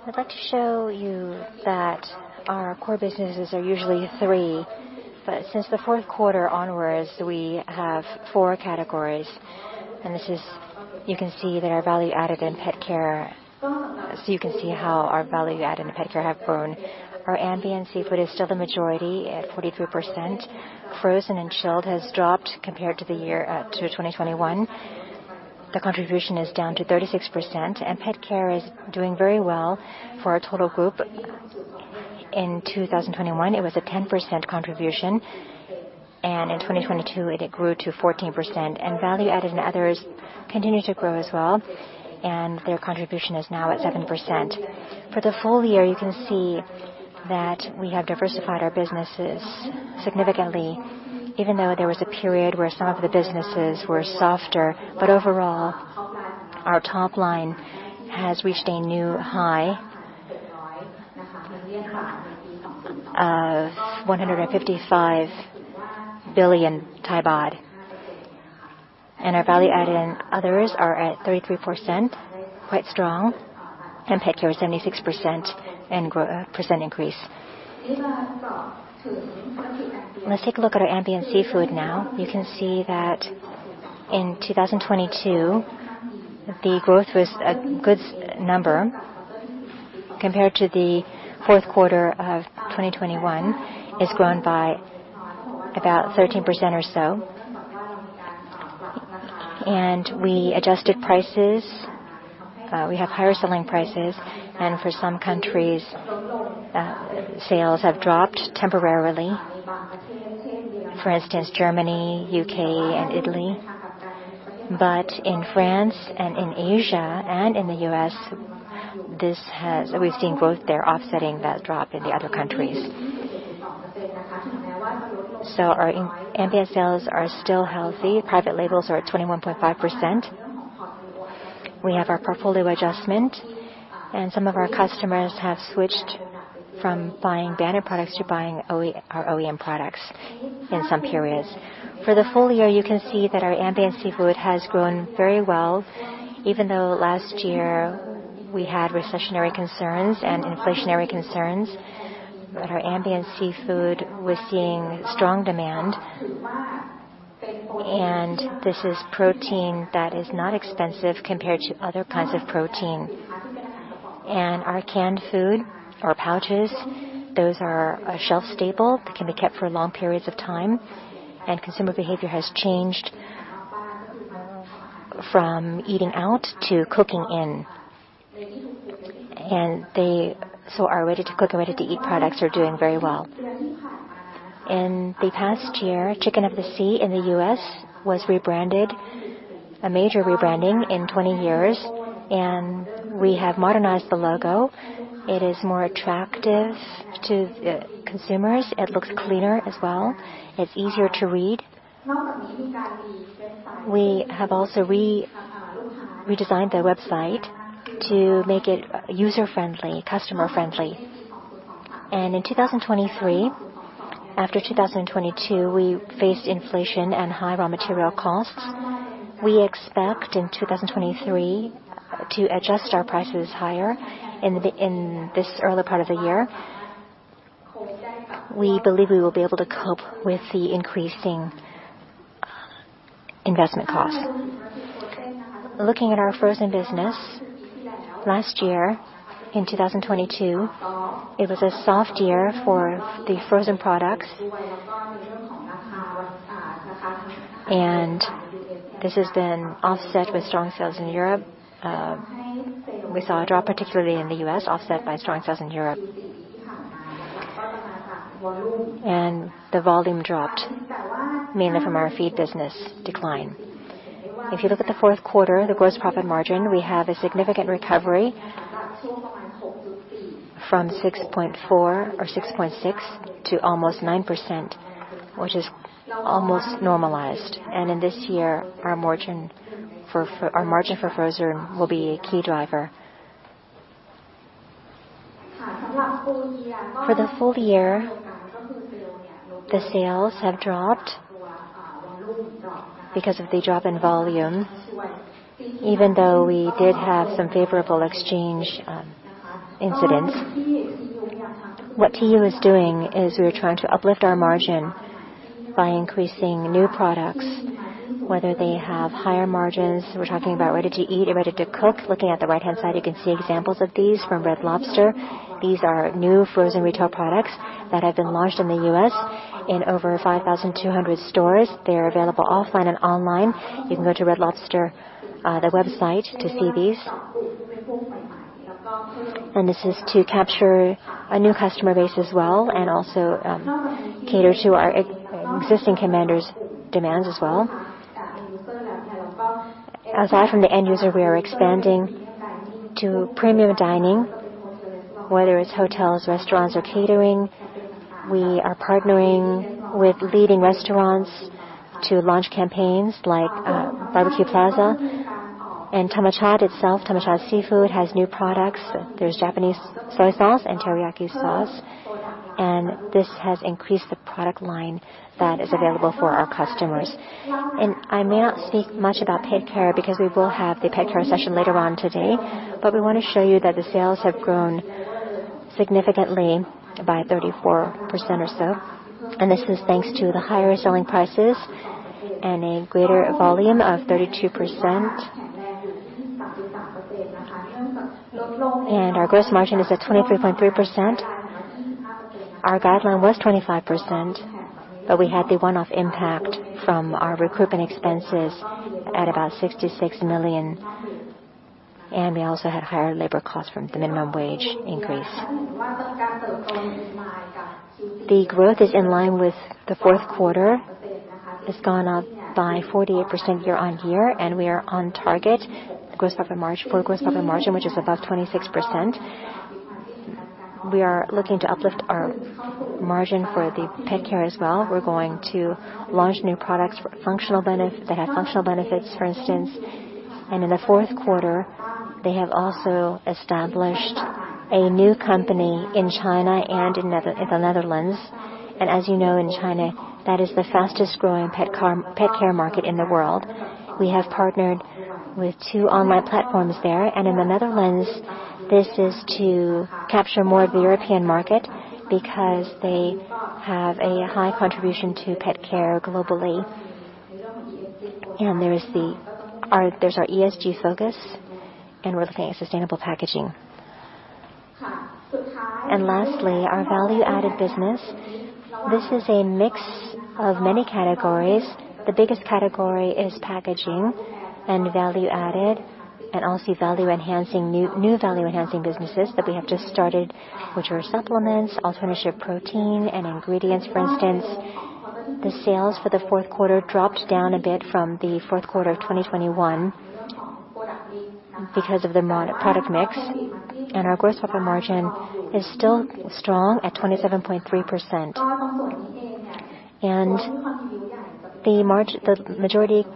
S2: I'd like to show you that our core businesses are usually three, but since the fourth quarter onwards, we have four categories. You can see how our value-added and PetCare have grown. Our ambient seafood is still the majority at 43%. Frozen and chilled has dropped compared to the year to 2021. The contribution is down to 36%, and PetCare is doing very well for our total group. In 2021, it was a 10% contribution, and in 2022, it grew to 14%. Value-added and others continue to grow as well, and their contribution is now at 7%. For the full year, you can see that we have diversified our businesses significantly, even though there was a period where some of the businesses were softer. Overall, our top line has reached a new high of 155 billion baht. Our value-add and others are at 33%, quite strong. PetCare is 76% and percent increase. Let's take a look at our ambient seafood now. You can see that in 2022, the growth was a good number. Compared to the fourth quarter of 2021, it's grown by about 13% or so. We adjusted prices. We have higher selling prices, and for some countries, sales have dropped temporarily. For instance, Germany, U.K., and Italy. In France and in Asia and in the U.S., we've seen growth there offsetting that drop in the other countries. Our ambient sales are still healthy. Private labels are at 21.5%. We have our portfolio adjustment, and some of our customers have switched from buying banner products to buying our OEM products in some periods. For the full year, you can see that our ambient seafood has grown very well. Even though last year we had recessionary concerns and inflationary concerns, our ambient seafood was seeing strong demand. This is protein that is not expensive compared to other kinds of protein. Our canned food, our pouches, those are shelf stable. They can be kept for long periods of time. Consumer behavior has changed from eating out to cooking in. Our ready to cook and ready to eat products are doing very well. In the past year, Chicken of the Sea in the U.S. was rebranded, a major rebranding in 20 years, and we have modernized the logo. It is more attractive to the consumers. It looks cleaner as well. It's easier to read. We have also redesigned their website to make it user-friendly, customer-friendly. In 2023, after 2022, we faced inflation and high raw material costs. We expect in 2023 to adjust our prices higher in this early part of the year. We believe we will be able to cope with the increasing investment cost. Looking at our frozen business, last year, in 2022, it was a soft year for the frozen products. This has been offset with strong sales in Europe. We saw a drop, particularly in the U.S., offset by strong sales in Europe. The volume dropped mainly from our feed business decline. If you look at the fourth quarter, the gross profit margin, we have a significant recovery from 6.4% or 6.6% to almost 9%, which is almost normalized. In this year, our margin for frozen will be a key driver. For the full year, the sales have dropped because of the drop in volume, even though we did have some favorable exchange incidents. What TU is doing is we are trying to uplift our margin by increasing new products, whether they have higher margins. We're talking about ready-to-eat and ready-to-cook. Looking at the right-hand side, you can see examples of these from Red Lobster. These are new frozen retail products that have been launched in the U.S. in over 5,200 stores. They're available offline and online. You can go to Red Lobster, the website to see these. This is to capture a new customer base as well and also, cater to our existing commander's demands as well. Aside from the end user, we are expanding to premium dining, whether it's hotels, restaurants, or catering. We are partnering with leading restaurants to launch campaigns like, Bar-B-Q Plaza. Thammachart itself, Thammachart Seafood, has new products. There's Japanese soy sauce and teriyaki sauce, and this has increased the product line that is available for our customers. I may not speak much about PetCare because we will have the PetCare session later on today, but we wanna show you that the sales have grown significantly by 34% or so. This is thanks to the higher selling prices and a greater volume of 32%. Our gross margin is at 23.3%. Our guideline was 25%, but we had the one-off impact from our recruitment expenses at about 66 million, and we also had higher labor costs from the minimum wage increase. The growth is in line with the fourth quarter. It's gone up by 48% year-over-year, and we are on target. The gross profit margin, which is about 26%. We are looking to uplift our margin for the PetCare as well. We're going to launch new products that have functional benefits, for instance. In the fourth quarter, they have also established a new company in China and in the Netherlands. As you know, in China, that is the fastest growing pet care market in the world. We have partnered with 2 online platforms there. In the Netherlands, this is to capture more of the European market because they have a high contribution to pet care globally. There's our ESG focus, and we're looking at sustainable packaging. Lastly, our value-added business. This is a mix of many categories. The biggest category is packaging and value-added and also new value-enhancing businesses that we have just started, which are supplements, alternative protein and ingredients, for instance. The sales for the fourth quarter dropped down a bit from the fourth quarter of 2021 because of the product mix. Our gross profit margin is still strong at 27.3%. The majority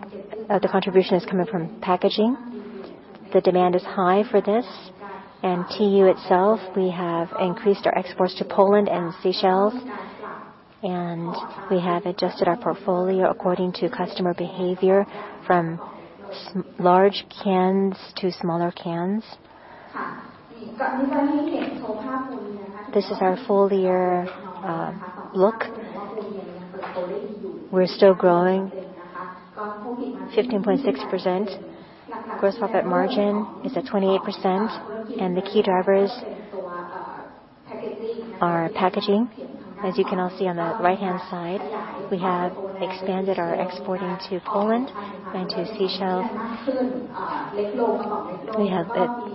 S2: of the contribution is coming from packaging. The demand is high for this. TU itself, we have increased our exports to Poland and Seychelles, and we have adjusted our portfolio according to customer behavior from large cans to smaller cans. This is our full year look. We're still growing 15.6%. Gross profit margin is at 28%. The key driversOur packaging. As you can all see on the right-hand side, we have expanded our exporting to Poland and to Seychelles. We have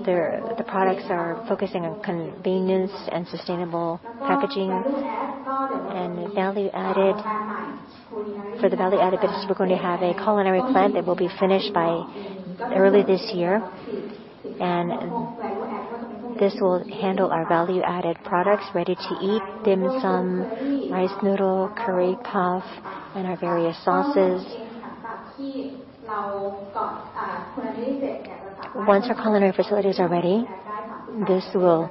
S2: there... The products are focusing on convenience and sustainable packaging and value-added. For the value-added business, we're going to have a culinary plant that will be finished by early this year, and this will handle our value-added products ready to eat: dim sum, rice noodle, curry puff, and our various sauces. Once our culinary facilities are ready, this will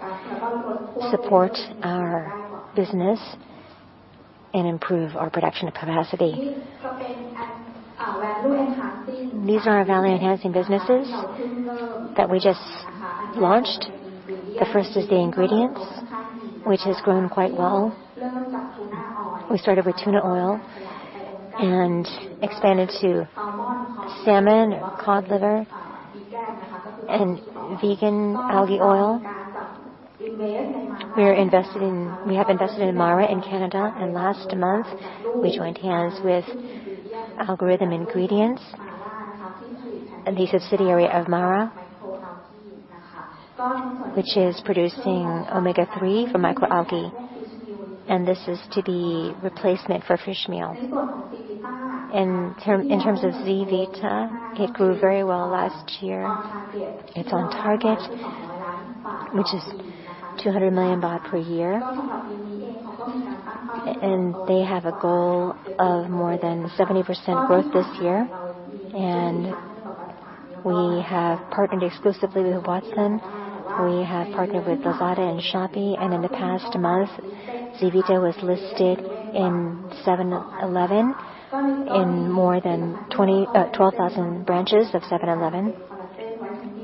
S2: support our business and improve our production capacity. These are our value-enhancing businesses that we just launched. The first is the ingredients, which has grown quite well. We started with tuna oil and expanded to salmon, cod liver, and vegan algae oil. We have invested in Mara in Canada, and last month we joined hands with Algama, a subsidiary of Mara, which is producing omega-3 from microalgae, and this is to be replacement for fishmeal. In terms of ZEAvita, it grew very well last year. It's on target, which is 200 million baht per year. They have a goal of more than 70% growth this year. We have partnered exclusively with Watsons. We have partnered with Lazada and Shopee. In the past month, ZEAvita was listed in 7-Eleven in more than 20, 12,000 branches of 7-Eleven.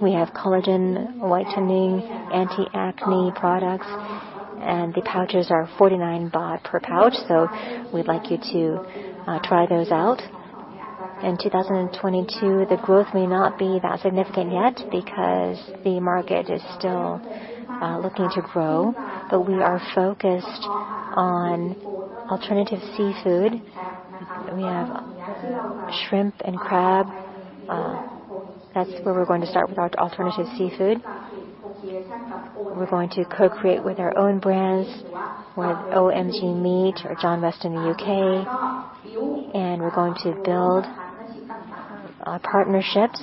S2: We have collagen, whitening, anti-acne products, and the pouches are 49 baht per pouch. We'd like you to try those out. In 2022, the growth may not be that significant yet because the market is still looking to grow. We are focused on alternative seafood. We have shrimp and crab. That's where we're going to start with our alternative seafood. We're going to co-create with our own brands with OMG Meat or John West in the UK, and we're going to build partnerships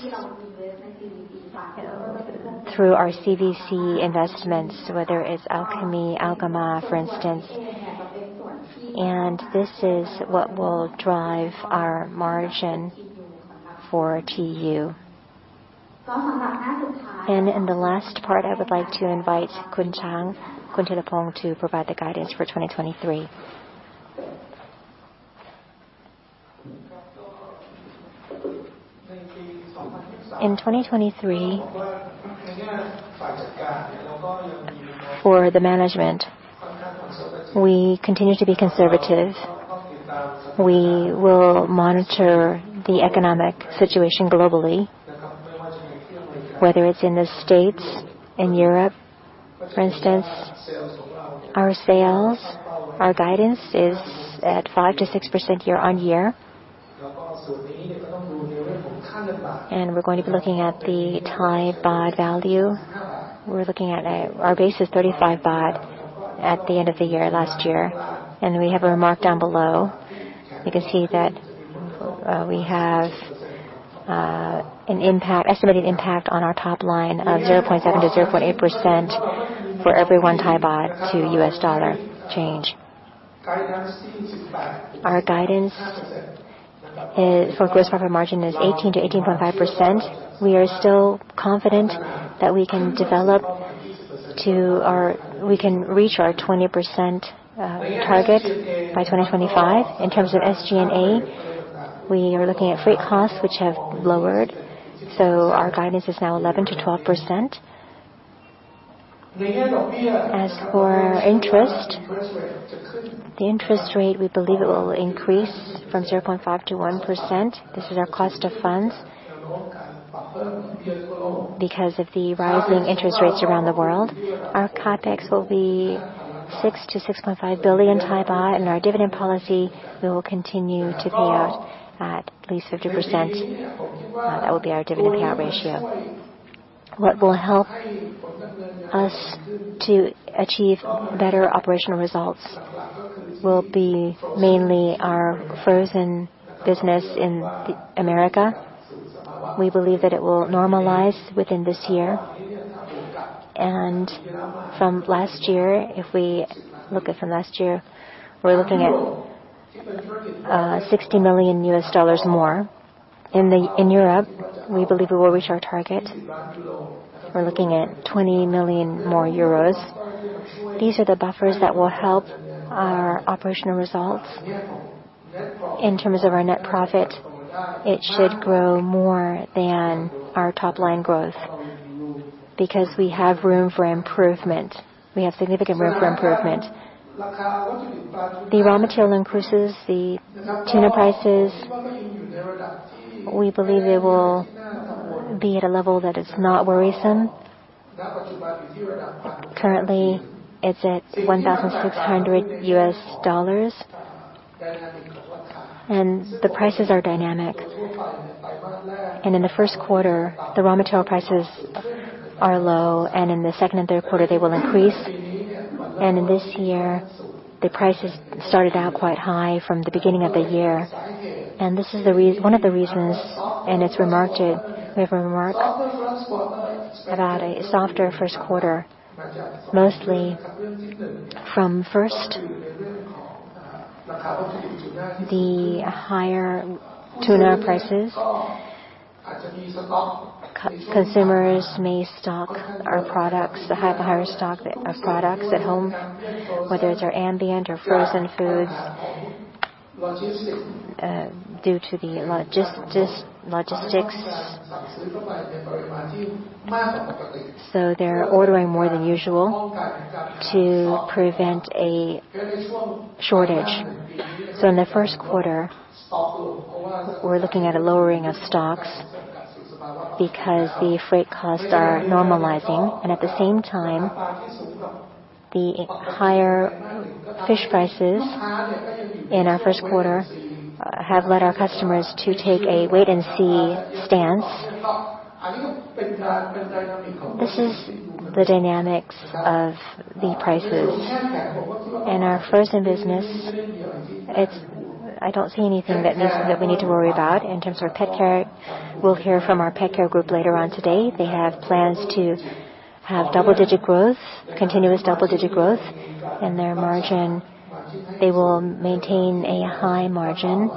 S2: through our CVC investments, whether it's Alchemy, Algama, for instance. This is what will drive our margin for TU. In the last part, I would like to invite Khun Chang, Khun Tilapong to provide the guidance for 2023. In 2023, for the management, we continue to be conservative. We will monitor the economic situation globally, whether it's in the States, in Europe. For instance, our sales, our guidance is at 5%-6% year-on-year. We're going to be looking at the Thai baht value. We're looking at our base is 35 baht at the end of the year last year, and we have a remark down below. You can see that we have an impact, estimated impact on our top line of 0.7%-0.8% for every 1 Thai baht to US dollar change. Our guidance is, for gross profit margin is 18%-18.5%. We are still confident that we can reach our 20% target by 2025. In terms of SG&A, we are looking at freight costs which have lowered, so our guidance is now 11%-12%. As for interest, the interest rate, we believe it will increase from 0.5%-1%. This is our cost of funds because of the rising interest rates around the world. Our CapEx will be 6 billion-6.5 billion baht and our dividend policy will continue to be at least 50%. That will be our dividend payout ratio. What will help us to achieve better operational results will be mainly our frozen business in America. We believe that it will normalize within this year. From last year, if we look at from last year, we're looking at $60 million more. In Europe, we believe we will reach our target. We're looking at 20 million euros more. These are the buffers that will help our operational results. In terms of our net profit, it should grow more than our top-line growth because we have room for improvement. We have significant room for improvement. The raw material increases, the tuna prices. We believe it will be at a level that is not worrisome. Currently, it's at $1,600. The prices are dynamic. In the first quarter, the raw material prices are low, and in the second and third quarter, they will increase. In this year, the prices started out quite high from the beginning of the year. This is one of the reasons, and it's remarked, we have a remark about a softer first quarter, mostly from first, the higher tuna prices. Consumers may stock our products. They have a higher stock of products at home, whether it's our ambient or frozen foods, due to the logistics. They're ordering more than usual to prevent a shortage. In the first quarter, we're looking at a lowering of stocks because the freight costs are normalizing, and at the same time, the higher fish prices in our first quarter have led our customers to take a wait-and-see stance. This is the dynamics of the prices. In our frozen business, I don't see anything that we need to worry about. In terms of our PetCare, we'll hear from our PetCare group later on today. They have plans to have double-digit growth, continuous double-digit growth in their margin. They will maintain a high margin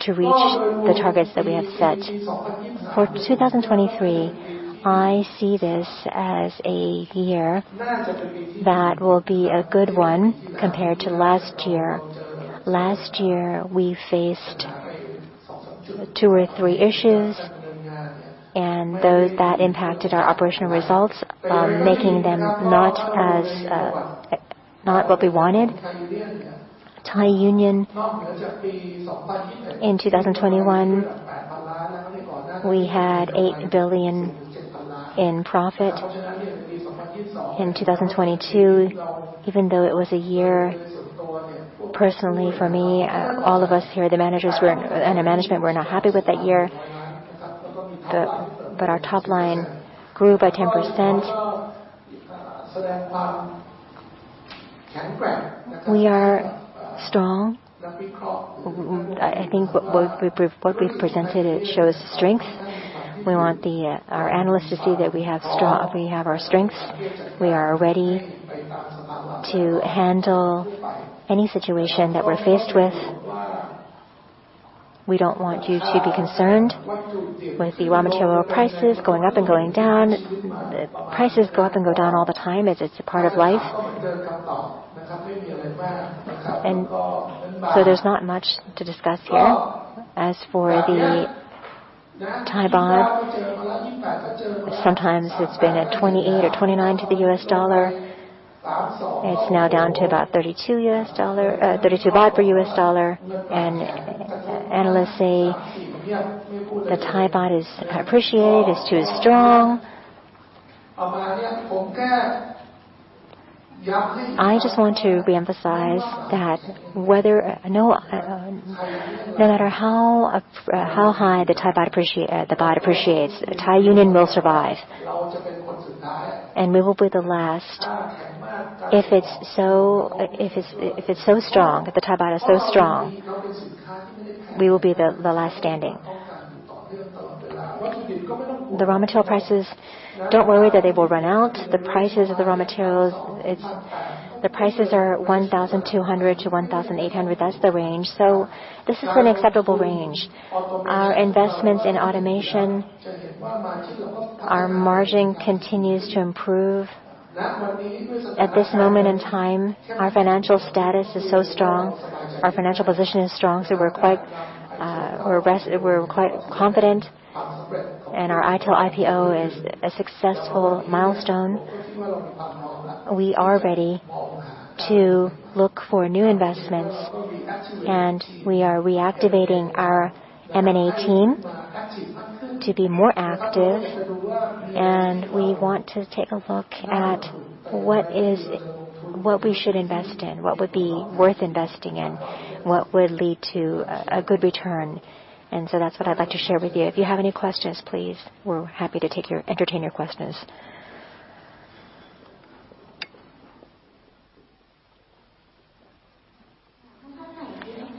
S2: to reach the targets that we have set. For 2023, I see this as a year that will be a good one compared to last year. Last year, we faced two or three issues, and those that impacted our operational results, making them not as not what we wanted. Thai Union in 2021, we had 8 billion in profit. In 2022, even though it was a year personally for me, all of us here, the managers were, and the management were not happy with that year, but our top line grew by 10%. We are strong. I think what we've presented, it shows strength. We want our analysts to see that we have our strengths. We are ready to handle any situation that we're faced with. We don't want you to be concerned with the raw material prices going up and going down. The prices go up and go down all the time as it's a part of life. There's not much to discuss here. As for the Thai baht, sometimes it's been at 28 or 29 to the US dollar. It's now down to about 32 THB per US dollar. Analysts say the Thai baht is appreciated, is too strong. I just want to re-emphasize that no matter how high the Thai baht appreciates, Thai Union will survive. We will be the last if it's so strong, if the Thai baht is so strong, we will be the last standing. The raw material prices, don't worry that they will run out. The prices of the raw materials, it's the prices are 1,200-1,800. That's the range. This is an acceptable range. Our investments in automation, our margin continues to improve. At this moment in time, our financial status is so strong. Our financial position is strong, we're quite confident. Our i-Tail IPO is a successful milestone. We are ready to look for new investments, we are reactivating our M&A team to be more active. We want to take a look at what is, what we should invest in, what would be worth investing in, what would lead to a good return. That's what I'd like to share with you. If you have any questions, please, we're happy to take your, entertain your questions.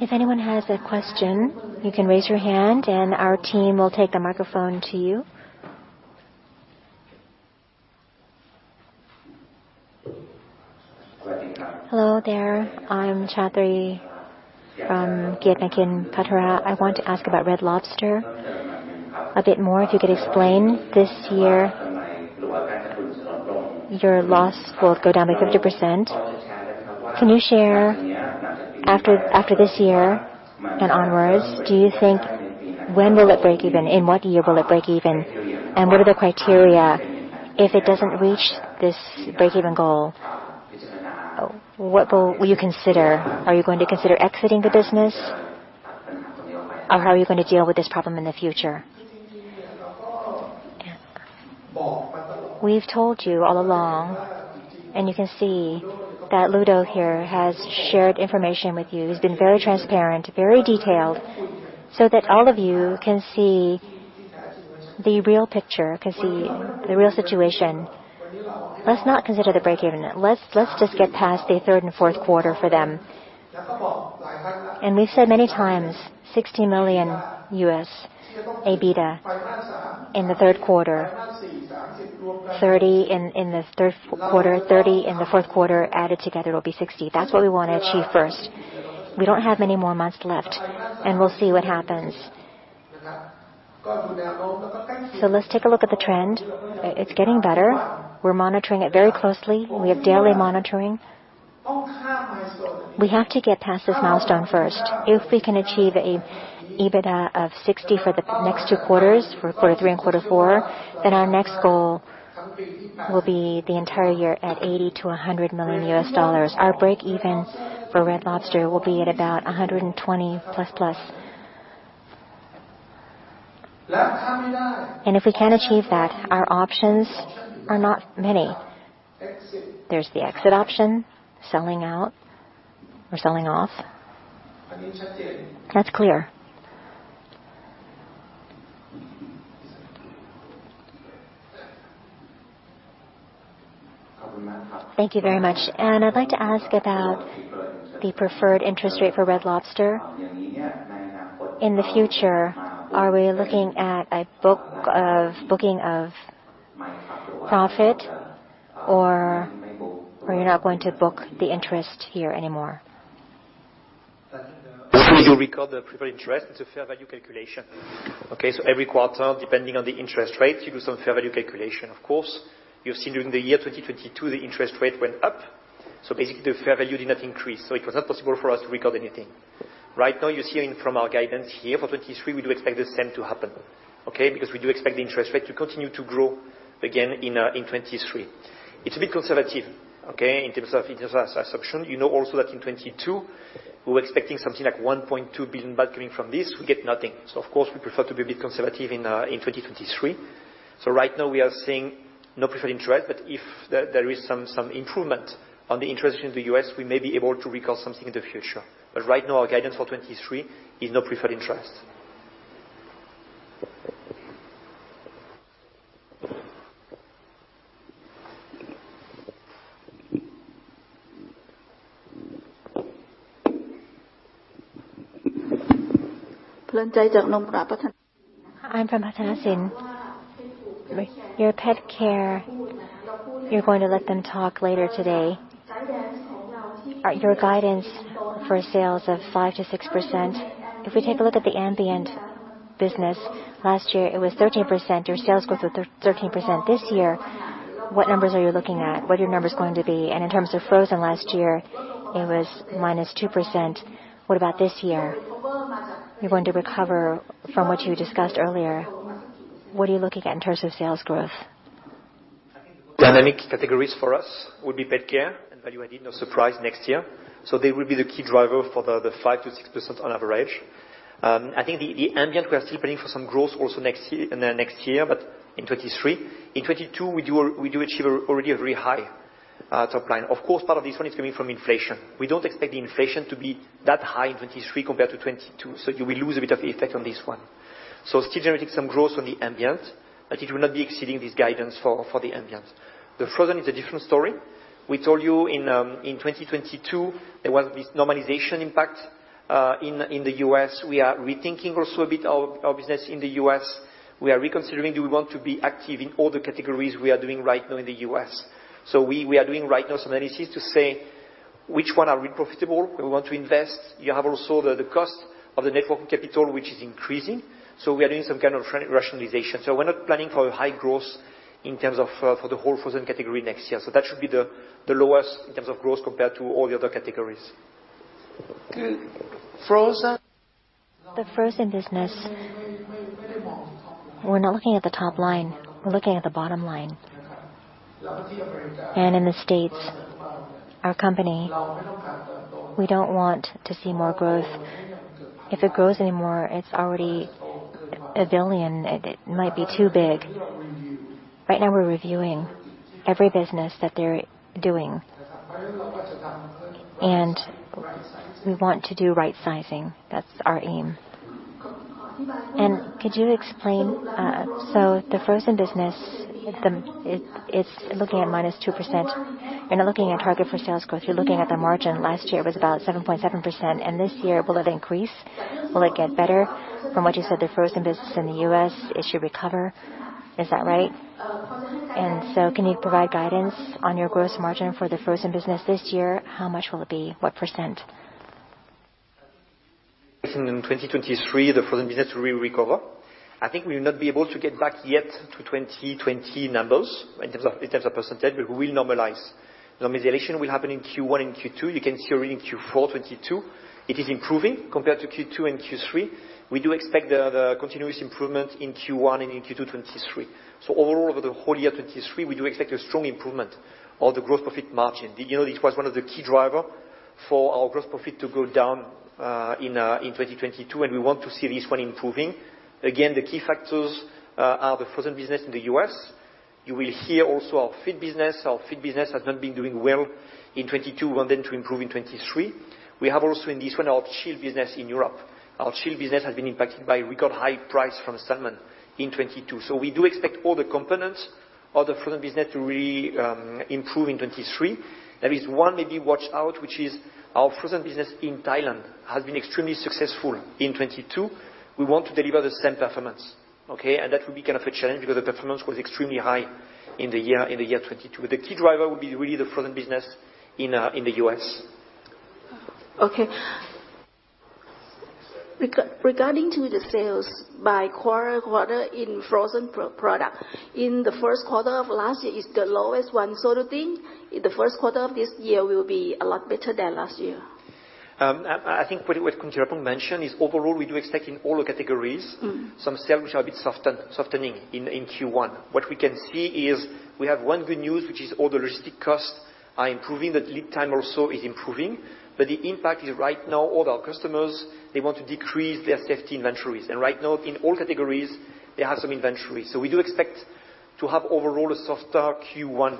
S1: If anyone has a question, you can raise your hand, our team will take the microphone to you.
S4: Hello there. I'm Chatri from Kiatnakin Phatra. I want to ask about Red Lobster a bit more. If you could explain this year your loss will go down by 50%? Can you share after this year and onwards, do you think when will it break even? In what year will it break even? What are the criteria if it doesn't reach this break-even goal? What will you consider? Are you going to consider exiting the business? How are you gonna deal with this problem in the future?
S2: We've told you all along, and you can see that Ludo here has shared information with you. He's been very transparent, very detailed, so that all of you can see the real picture, can see the real situation. Let's not consider the break-even. Let's just get past the third and fourth quarter for them. We've said many times, $60 million EBITDA in the third quarter, $30 million in the third quarter, $30 million in the fourth quarter, added together will be $60 million. That's what we wanna achieve first. We don't have many more months left, and we'll see what happens. Let's take a look at the trend. It's getting better. We're monitoring it very closely. We have daily monitoring. We have to get past this milestone first. If we can achieve a EBITDA of $60 for the next two quarters, for quarter three and quarter four, our next goal will be the entire year at $80 million-$100 million US dollars. Our break even for Red Lobster will be at about $120+. If we can't achieve that, our options are not many. There's the exit option, selling out or selling off.
S4: That's clear. Thank you very much. I'd like to ask about the preferred interest rate for Red Lobster. In the future, are we looking at a booking of profit or you're not going to book the interest here anymore?
S3: Before you record the preferred interest, it's a fair value calculation, okay. Every quarter, depending on the interest rate, you do some fair value calculation. Of course, you've seen during the year 2022, the interest rate went up. Basically the fair value did not increase. It was not possible for us to record anything. Right now, you're seeing from our guidance here for 2023, we do expect the same to happen, okay. Because we do expect the interest rate to continue to grow again in 2023. It's a bit conservative, okay, in terms of interest assumption. You know also that in 2022, we were expecting something like 1.2 billion baht coming from this. We get nothing. Of course, we prefer to be a bit conservative in 2023. Right now we are seeing no preferred interest, but if there is some improvement on the interest in the U.S., we may be able to record something in the future. Right now, our guidance for 2023 is no preferred interest.
S5: I'm from Patanasin. Your PetCare, you're going to let them talk later today. Your guidance for sales of 5%-6%. If we take a look at the ambient business, last year it was 13%. Your sales growth was 13% this year. What numbers are you looking at? What are your numbers going to be? In terms of frozen last year, it was -2%. What about this year? You're going to recover from what you discussed earlier. What are you looking at in terms of sales growth?
S3: Dynamic categories for us would be PetCare and value added, no surprise next year. They will be the key driver for the 5%-6% on average. I think the ambient, we are still planning for some growth also next year, in the next year, but in 2023. In 2022, we do achieve already a very high top line. Of course, part of this one is coming from inflation. We don't expect the inflation to be that high in 2023 compared to 2022, so you will lose a bit of effect on this one. Still generating some growth on the ambient, but it will not be exceeding this guidance for the ambient. The frozen is a different story. We told you in 2022, there was this normalization impact in the U.S. We are rethinking also a bit our business in the U.S. We are reconsidering, do we want to be active in all the categories we are doing right now in the U.S. We are doing right now some analysis to say which one are really profitable, we want to invest. You have also the cost of the network capital, which is increasing, so we are doing some kind of rationalization. We're not planning for a high growth in terms of for the whole frozen category next year. That should be the lowest in terms of growth compared to all the other categories. The frozen business, we're not looking at the top line. We're looking at the bottom line. In the U.S., our company, we don't want to see more growth. If it grows anymore, it's already $1 billion. It might be too big. Right now we're reviewing every business that they're doing, and we want to do right sizing. That's our aim.
S5: Could you explain, the frozen business, It's looking at -2%. You're not looking at target for sales growth. You're looking at the margin. Last year it was about 7.7%. This year, will it increase? Will it get better? From what you said, the frozen business in the U.S., it should recover. Is that right? Can you provide guidance on your gross margin for the frozen business this year? How much will it be? What %?
S3: In 2023, the frozen business will recover. I think we will not be able to get back yet to 2020 numbers in terms of percentage, but we will normalize. Normalization will happen in Q1 and Q2. You can see already in Q4 2022 it is improving compared to Q2 and Q3. We do expect the continuous improvement in Q1 and in Q2 2023. Overall, over the whole year 2023, we do expect a strong improvement on the gross profit margin. You know, this was one of the key driver for our gross profit to go down in 2022. We want to see this one improving. Again, the key factors are the frozen business in the U.S. You will hear also our feed business. Our feed business has not been doing well in 2022. We want them to improve in 2022. We have also in this one our chilled business in Europe. Our chilled business has been impacted by record high price from salmon in 2022. We do expect all the components of the frozen business to really improve in 2022. There is one maybe watch out, which is our frozen business in Thailand has been extremely successful in 2022. We want to deliver the same performance, okay? That will be kind of a challenge because the performance was extremely high in the year, in the year 2022. The key driver will be really the frozen business in the U.S.
S5: Okay. Regarding to the sales by quarter in frozen product, in the first quarter of last year is the lowest one. Do you think in the first quarter of this year will be a lot better than last year?
S3: I think what Thiraphong Chansiri mentioned is overall, we do expect in all the categories.
S5: Mm-hmm.
S3: Some sales which are a bit softening in Q1. What we can see is we have one good news, which is all the logistic costs are improving. The lead time also is improving. The impact is right now, all our customers, they want to decrease their safety inventories. Right now, in all categories, they have some inventory. We do expect to have overall a softer Q1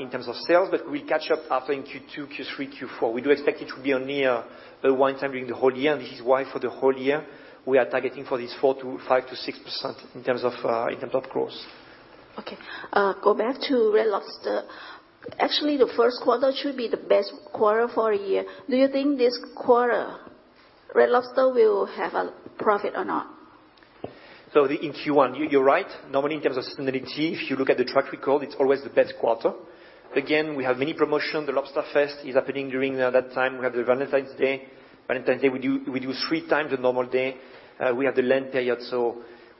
S3: in terms of sales, but we catch up after in Q2, Q3, Q4. We do expect it to be near the one time during the whole year. This is why for the whole year, we are targeting for this 4%-5%-6% in terms of growth.
S5: Okay. Go back to Red Lobster. Actually, the first quarter should be the best quarter for a year. Do you think this quarter Red Lobster will have a profit or not?
S3: In Q1, you're right. Normally, in terms of seasonality, if you look at the track record, it's always the best quarter. We have many promotions. The Lobsterfest is happening during that time. We have the Valentine's Day. Valentine's Day, we do three times the normal day. We have the Lent period.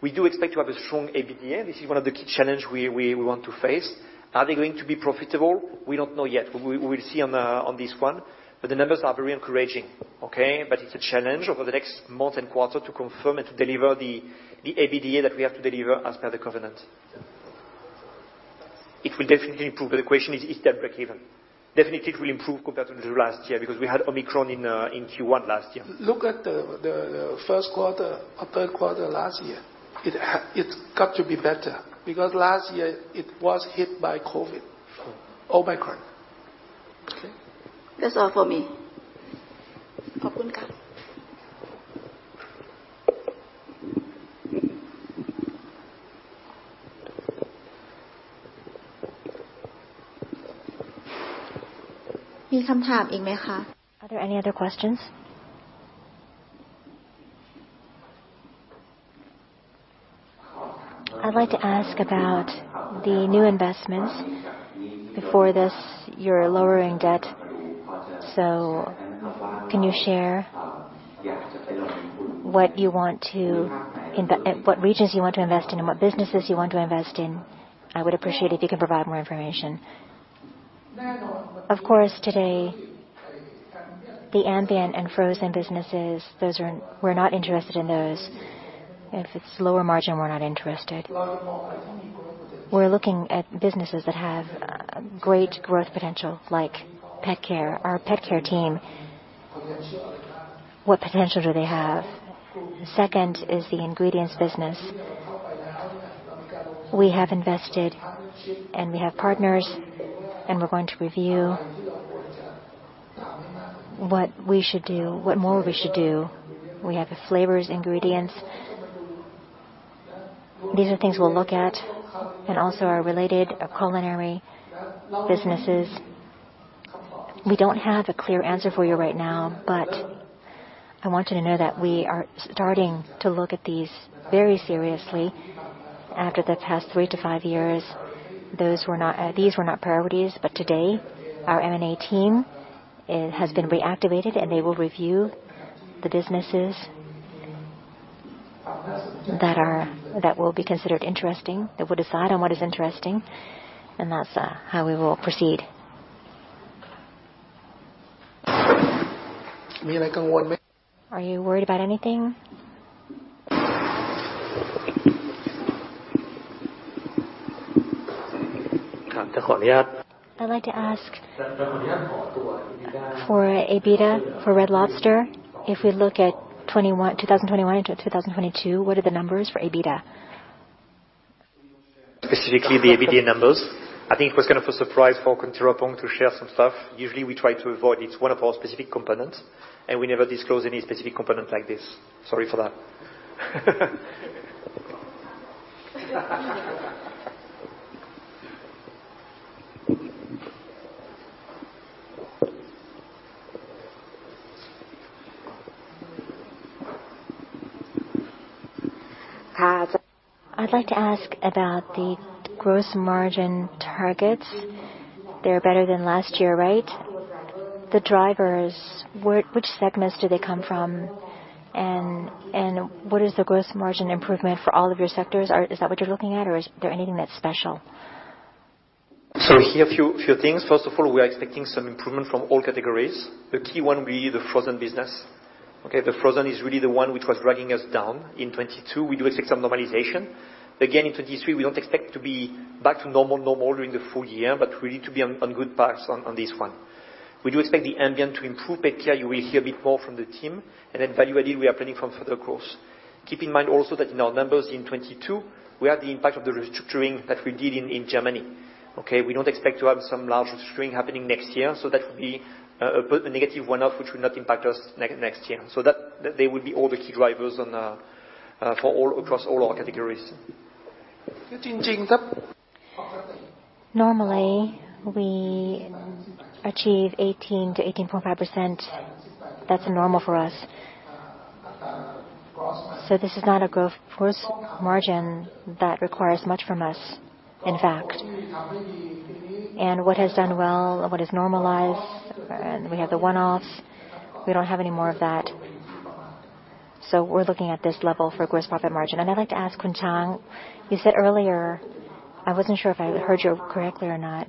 S3: We do expect to have a strong EBITDA. This is one of the key challenge we want to face. Are they going to be profitable? We don't know yet. We, we'll see on this one, but the numbers are very encouraging, okay? It's a challenge over the next month and quarter to confirm and to deliver the EBITDA that we have to deliver as per the covenant. It will definitely improve, but the question is that breakeven? Definitely, it will improve compared to the last year because we had Omicron in Q1 last year.
S5: Look at the first quarter or third quarter last year. It's got to be better because last year it was hit by COVID.
S3: Sure.
S5: Omicron.
S3: Okay.
S5: That's all for me.
S1: Are there any other questions?
S5: I'd like to ask about the new investments. Before this, you're lowering debt. Can you share what you want to what regions you want to invest in and what businesses you want to invest in? I would appreciate if you can provide more information.
S2: Of course, today, the ambient and frozen businesses, those are. We're not interested in those. If it's lower margin, we're not interested. We're looking at businesses that have great growth potential, like pet care. Our pet care team, what potential do they have? The second is the ingredients business. We have invested, and we have partners, and we're going to review what we should do, what more we should do. We have the flavors, ingredients. These are things we'll look at, and also our related culinary businesses. We don't have a clear answer for you right now, but I want you to know that we are starting to look at these very seriously. After the past three to five years, those were not, these were not priorities. Today, our M&A team, it has been reactivated, and they will review the businesses that will be considered interesting. They will decide on what is interesting, and that's how we will proceed.
S5: Are you worried about anything? For EBITDA for Red Lobster, if we look at 2021 into 2022, what are the numbers for EBITDA?
S3: Specifically the EBITDA numbers, I think it was kind of a surprise for Thiraphong Chansiri to share some stuff. Usually, we try to avoid. It's one of our specific components, and we never disclose any specific component like this. Sorry for that.
S5: I'd like to ask about the gross margin targets. They're better than last year, right? The drivers, which segments do they come from? What is the gross margin improvement for all of your sectors? Is that what you're looking at, or is there anything that's special?
S3: Here are few things. First of all, we are expecting some improvement from all categories. The key one will be the frozen business. Okay. The frozen is really the one which was dragging us down in 2022. We do expect some normalization. Again, in 2023, we don't expect to be back to normal during the full year, but we need to be on good paths on this one. We do expect the ambient to improve PetCare. You will hear a bit more from the team. Value added, we are planning for further course. Keep in mind also that in our numbers in 2022, we have the impact of the restructuring that we did in Germany. Okay. We don't expect to have some large restructuring happening next year, so that will be a negative one-off which will not impact us next year. They will be all the key drivers on across all our categories.
S2: Normally, we achieve 18-18.5%. That's normal for us. This is not a growth gross margin that requires much from us, in fact. What has done well, what is normalized, and we have the one-offs, we don't have any more of that. We're looking at this level for gross profit margin.
S5: I'd like to ask Kunchang, you said earlier, I wasn't sure if I heard you correctly or not.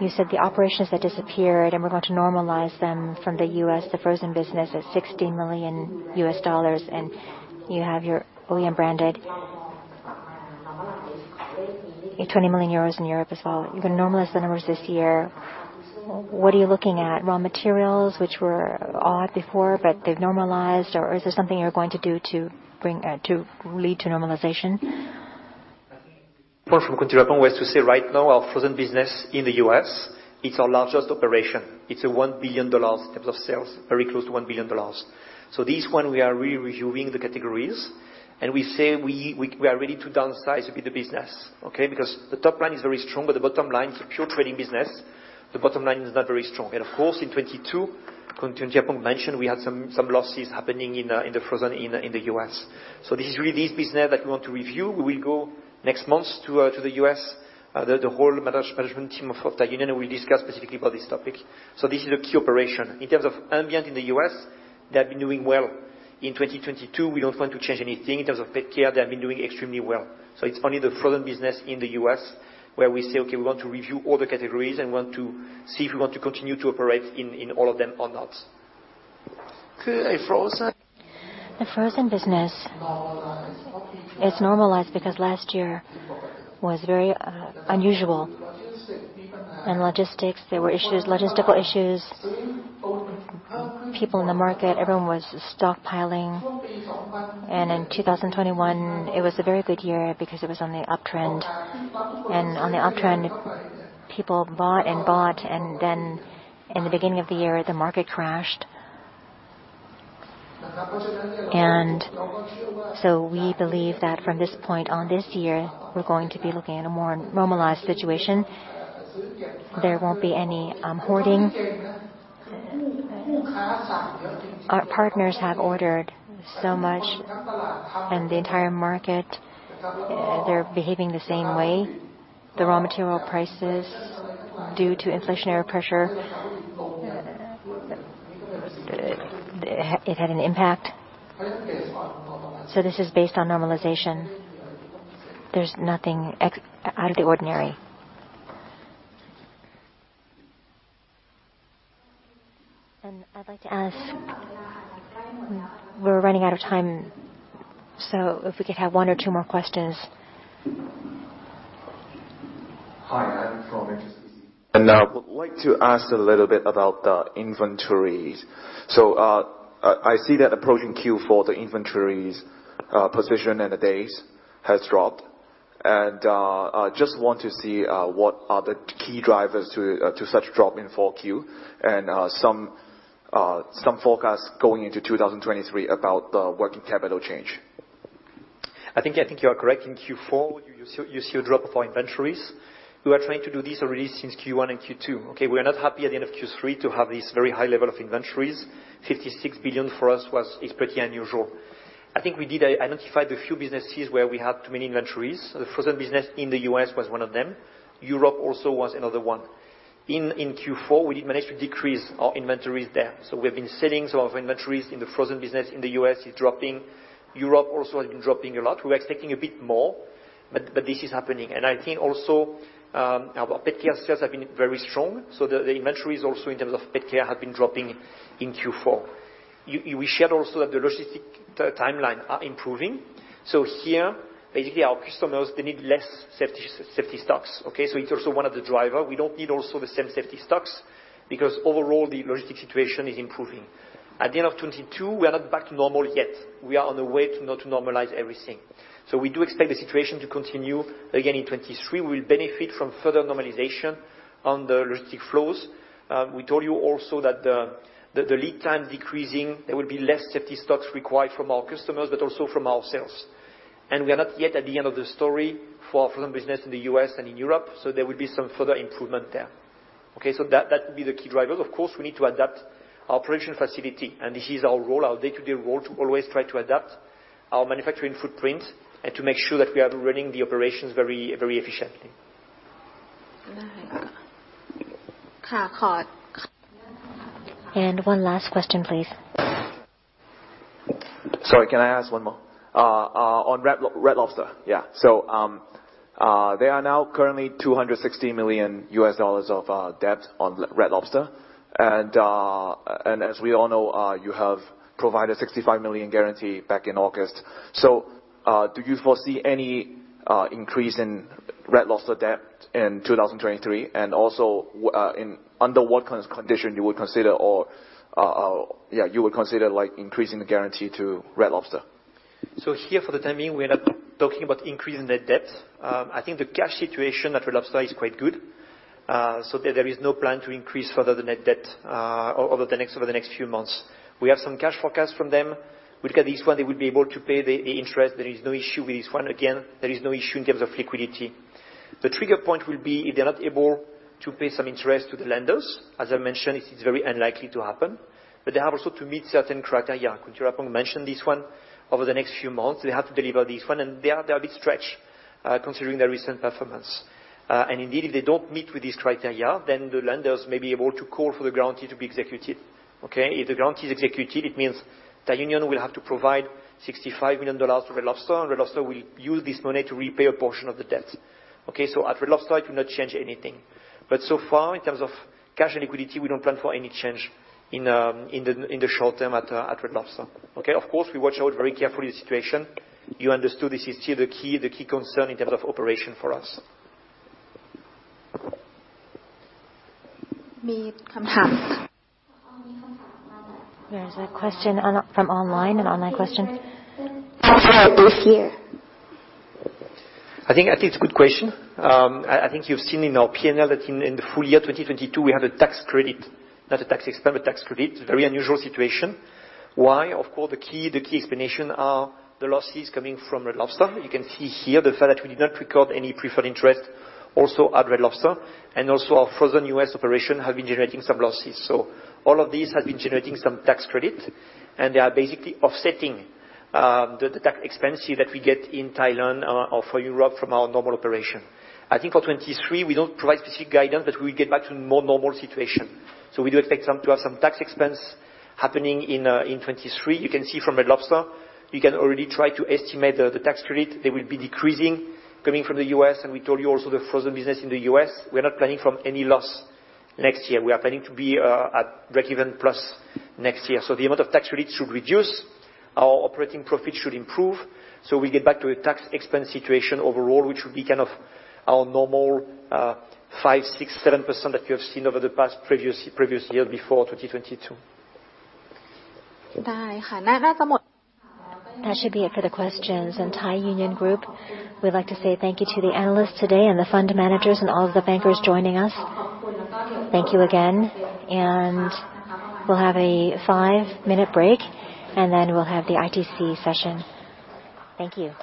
S5: You said the operations that disappeared, and we're going to normalize them from the U.S., the frozen business is $60 million, and you have your William branded. You have 20 million euros in Europe as well. You're gonna normalize the numbers this year. What are you looking at? Raw materials, which were odd before, but they've normalized, or is there something you're going to do to bring... to lead to normalization?
S3: Part from continued growth was to say right now our frozen business in the U.S., it's our largest operation. It's a $1 billion in terms of sales, very close to $1 billion. This one we are re-reviewing the categories, and we say we are ready to downsize a bit the business, okay. Because the top line is very strong, but the bottom line, it's a pure trading business. The bottom line is not very strong. Of course, in 2022, continued, as Jeppon mentioned, we had some losses happening in the frozen in the U.S. This is really this business that we want to review. We will go next month to the U.S., the whole management team of Thai Union, and we discuss specifically about this topic. This is a key operation. In terms of ambient in the U.S., they have been doing well. In 2022, we don't want to change anything. In terms of PetCare, they have been doing extremely well. It's only the frozen business in the U.S. where we say, "Okay, we want to review all the categories and want to see if we want to continue to operate in all of them or not.
S2: The frozen business, it's normalized because last year was very unusual in logistics. There were issues, logistical issues. People in the market, everyone was stockpiling. In 2021, it was a very good year because it was on the uptrend. On the uptrend, people bought and bought, then in the beginning of the year, the market crashed. We believe that from this point on this year, we're going to be looking at a more normalized situation. There won't be any hoarding. Our partners have ordered so much, and the entire market, they're behaving the same way. The raw material prices, due to inflationary pressure, it had an impact. This is based on normalization. There's nothing out of the ordinary. I'd like to ask...
S1: We're running out of time, so if we could have one or two more questions.
S5: Hi, I'm from. I would like to ask a little bit about the inventories. I see that approaching Q4 for the inventories, position and the days has dropped. I just want to see what are the key drivers to such drop in 4Q. Some forecasts going into 2023 about the working capital change.
S3: I think you are correct. In Q4, you see a drop of our inventories. We are trying to do this already since Q1 and Q2, okay. We are not happy at the end of Q3 to have this very high level of inventories. 56 billion for us was, is pretty unusual. I think we identified a few businesses where we had too many inventories. The frozen business in the U.S. was one of them. Europe also was another one. In Q4, we did manage to decrease our inventories there. We have been selling some of inventories in the frozen business in the U.S., is dropping. Europe also has been dropping a lot. We were expecting a bit more, but this is happening. I think also, our PetCare sales have been very strong, so the inventories also in terms of PetCare have been dropping in Q4. We shared also that the logistic timeline are improving. Here, basically our customers, they need less safety stocks, okay. It's also one of the driver. We don't need also the same safety stocks because overall the logistic situation is improving. At the end of 2022, we are not back to normal yet. We are on the way to normalize everything. We do expect the situation to continue. Again, in 2023, we'll benefit from further normalization on the logistic flows. We told you also that the lead time decreasing, there will be less safety stocks required from our customers but also from ourselves. We are not yet at the end of the story for our frozen business in the U.S. and in Europe. There will be some further improvement there. That will be the key drivers. Of course, we need to adapt our production facility, and this is our role, our day-to-day role, to always try to adapt our manufacturing footprint and to make sure that we are running the operations very, very efficiently.
S2: One last question, please.
S5: Sorry, can I ask one more? on Red Lobster. Yeah. They are now currently $260 million of debt on Red Lobster. And as we all know, you have provided $65 million guarantee back in August. Do you foresee any increase in Red Lobster debt in 2023? And also, under what condition you would consider or, yeah, you would consider like increasing the guarantee to Red Lobster?
S3: Here for the time being, we're not talking about increasing the debt. I think the cash situation at Red Lobster is quite good. There is no plan to increase further the net debt over the next few months. We have some cash forecasts from them. We look at this one, they would be able to pay the interest. There is no issue with this one. Again, there is no issue in terms of liquidity. The trigger point will be if they're not able to pay some interest to the lenders. As I mentioned, it is very unlikely to happen, but they have also to meet certain criteria. Thiraphong mentioned this one. Over the next few months, they have to deliver this one, and they're a bit stretched, considering their recent performance. Indeed, if they don't meet with this criteria, then the lenders may be able to call for the guarantee to be executed, okay? If the guarantee is executed, it means Thai Union will have to provide $65 million to Red Lobster, and Red Lobster will use this money to repay a portion of the debt, okay? At Red Lobster, it will not change anything. So far, in terms of cash and liquidity, we don't plan for any change in the, in the short term at Red Lobster, okay? Of course, we watch out very carefully the situation. You understood this is still the key, the key concern in terms of operation for us.
S5: There is a question from online, an online question.
S3: I think it's a good question. I think you've seen in our P&L that in the full year 2022, we had a tax credit. Not a tax expense, but tax credit. Very unusual situation. Why? Of course, the key explanation are the losses coming from Red Lobster. You can see here the fact that we did not record any preferred interest also at Red Lobster, and also our frozen US operation have been generating some losses. All of these have been generating some tax credit, and they are basically offsetting the tax expense here that we get in Thailand or for Europe from our normal operation. I think for 2023, we don't provide specific guidance, but we get back to more normal situation. We do expect to have some tax expense happening in 2023. You can see from Red Lobster, you can already try to estimate the tax credit. They will be decreasing coming from the U.S. We told you also the frozen business in the US, we're not planning from any loss next year. We are planning to be at breakeven plus next year. The amount of tax release should reduce. Our operating profit should improve. We get back to a tax expense situation overall, which will be kind of our normal 5%, 6%, 7% that you have seen over the past previous year before 2022.
S1: That should be it for the questions and Thai Union Group. We'd like to say thank you to the analysts today and the fund managers and all of the bankers joining us. Thank you again, and we'll have a 5-minute break, and then we'll have the ITC session. Thank you.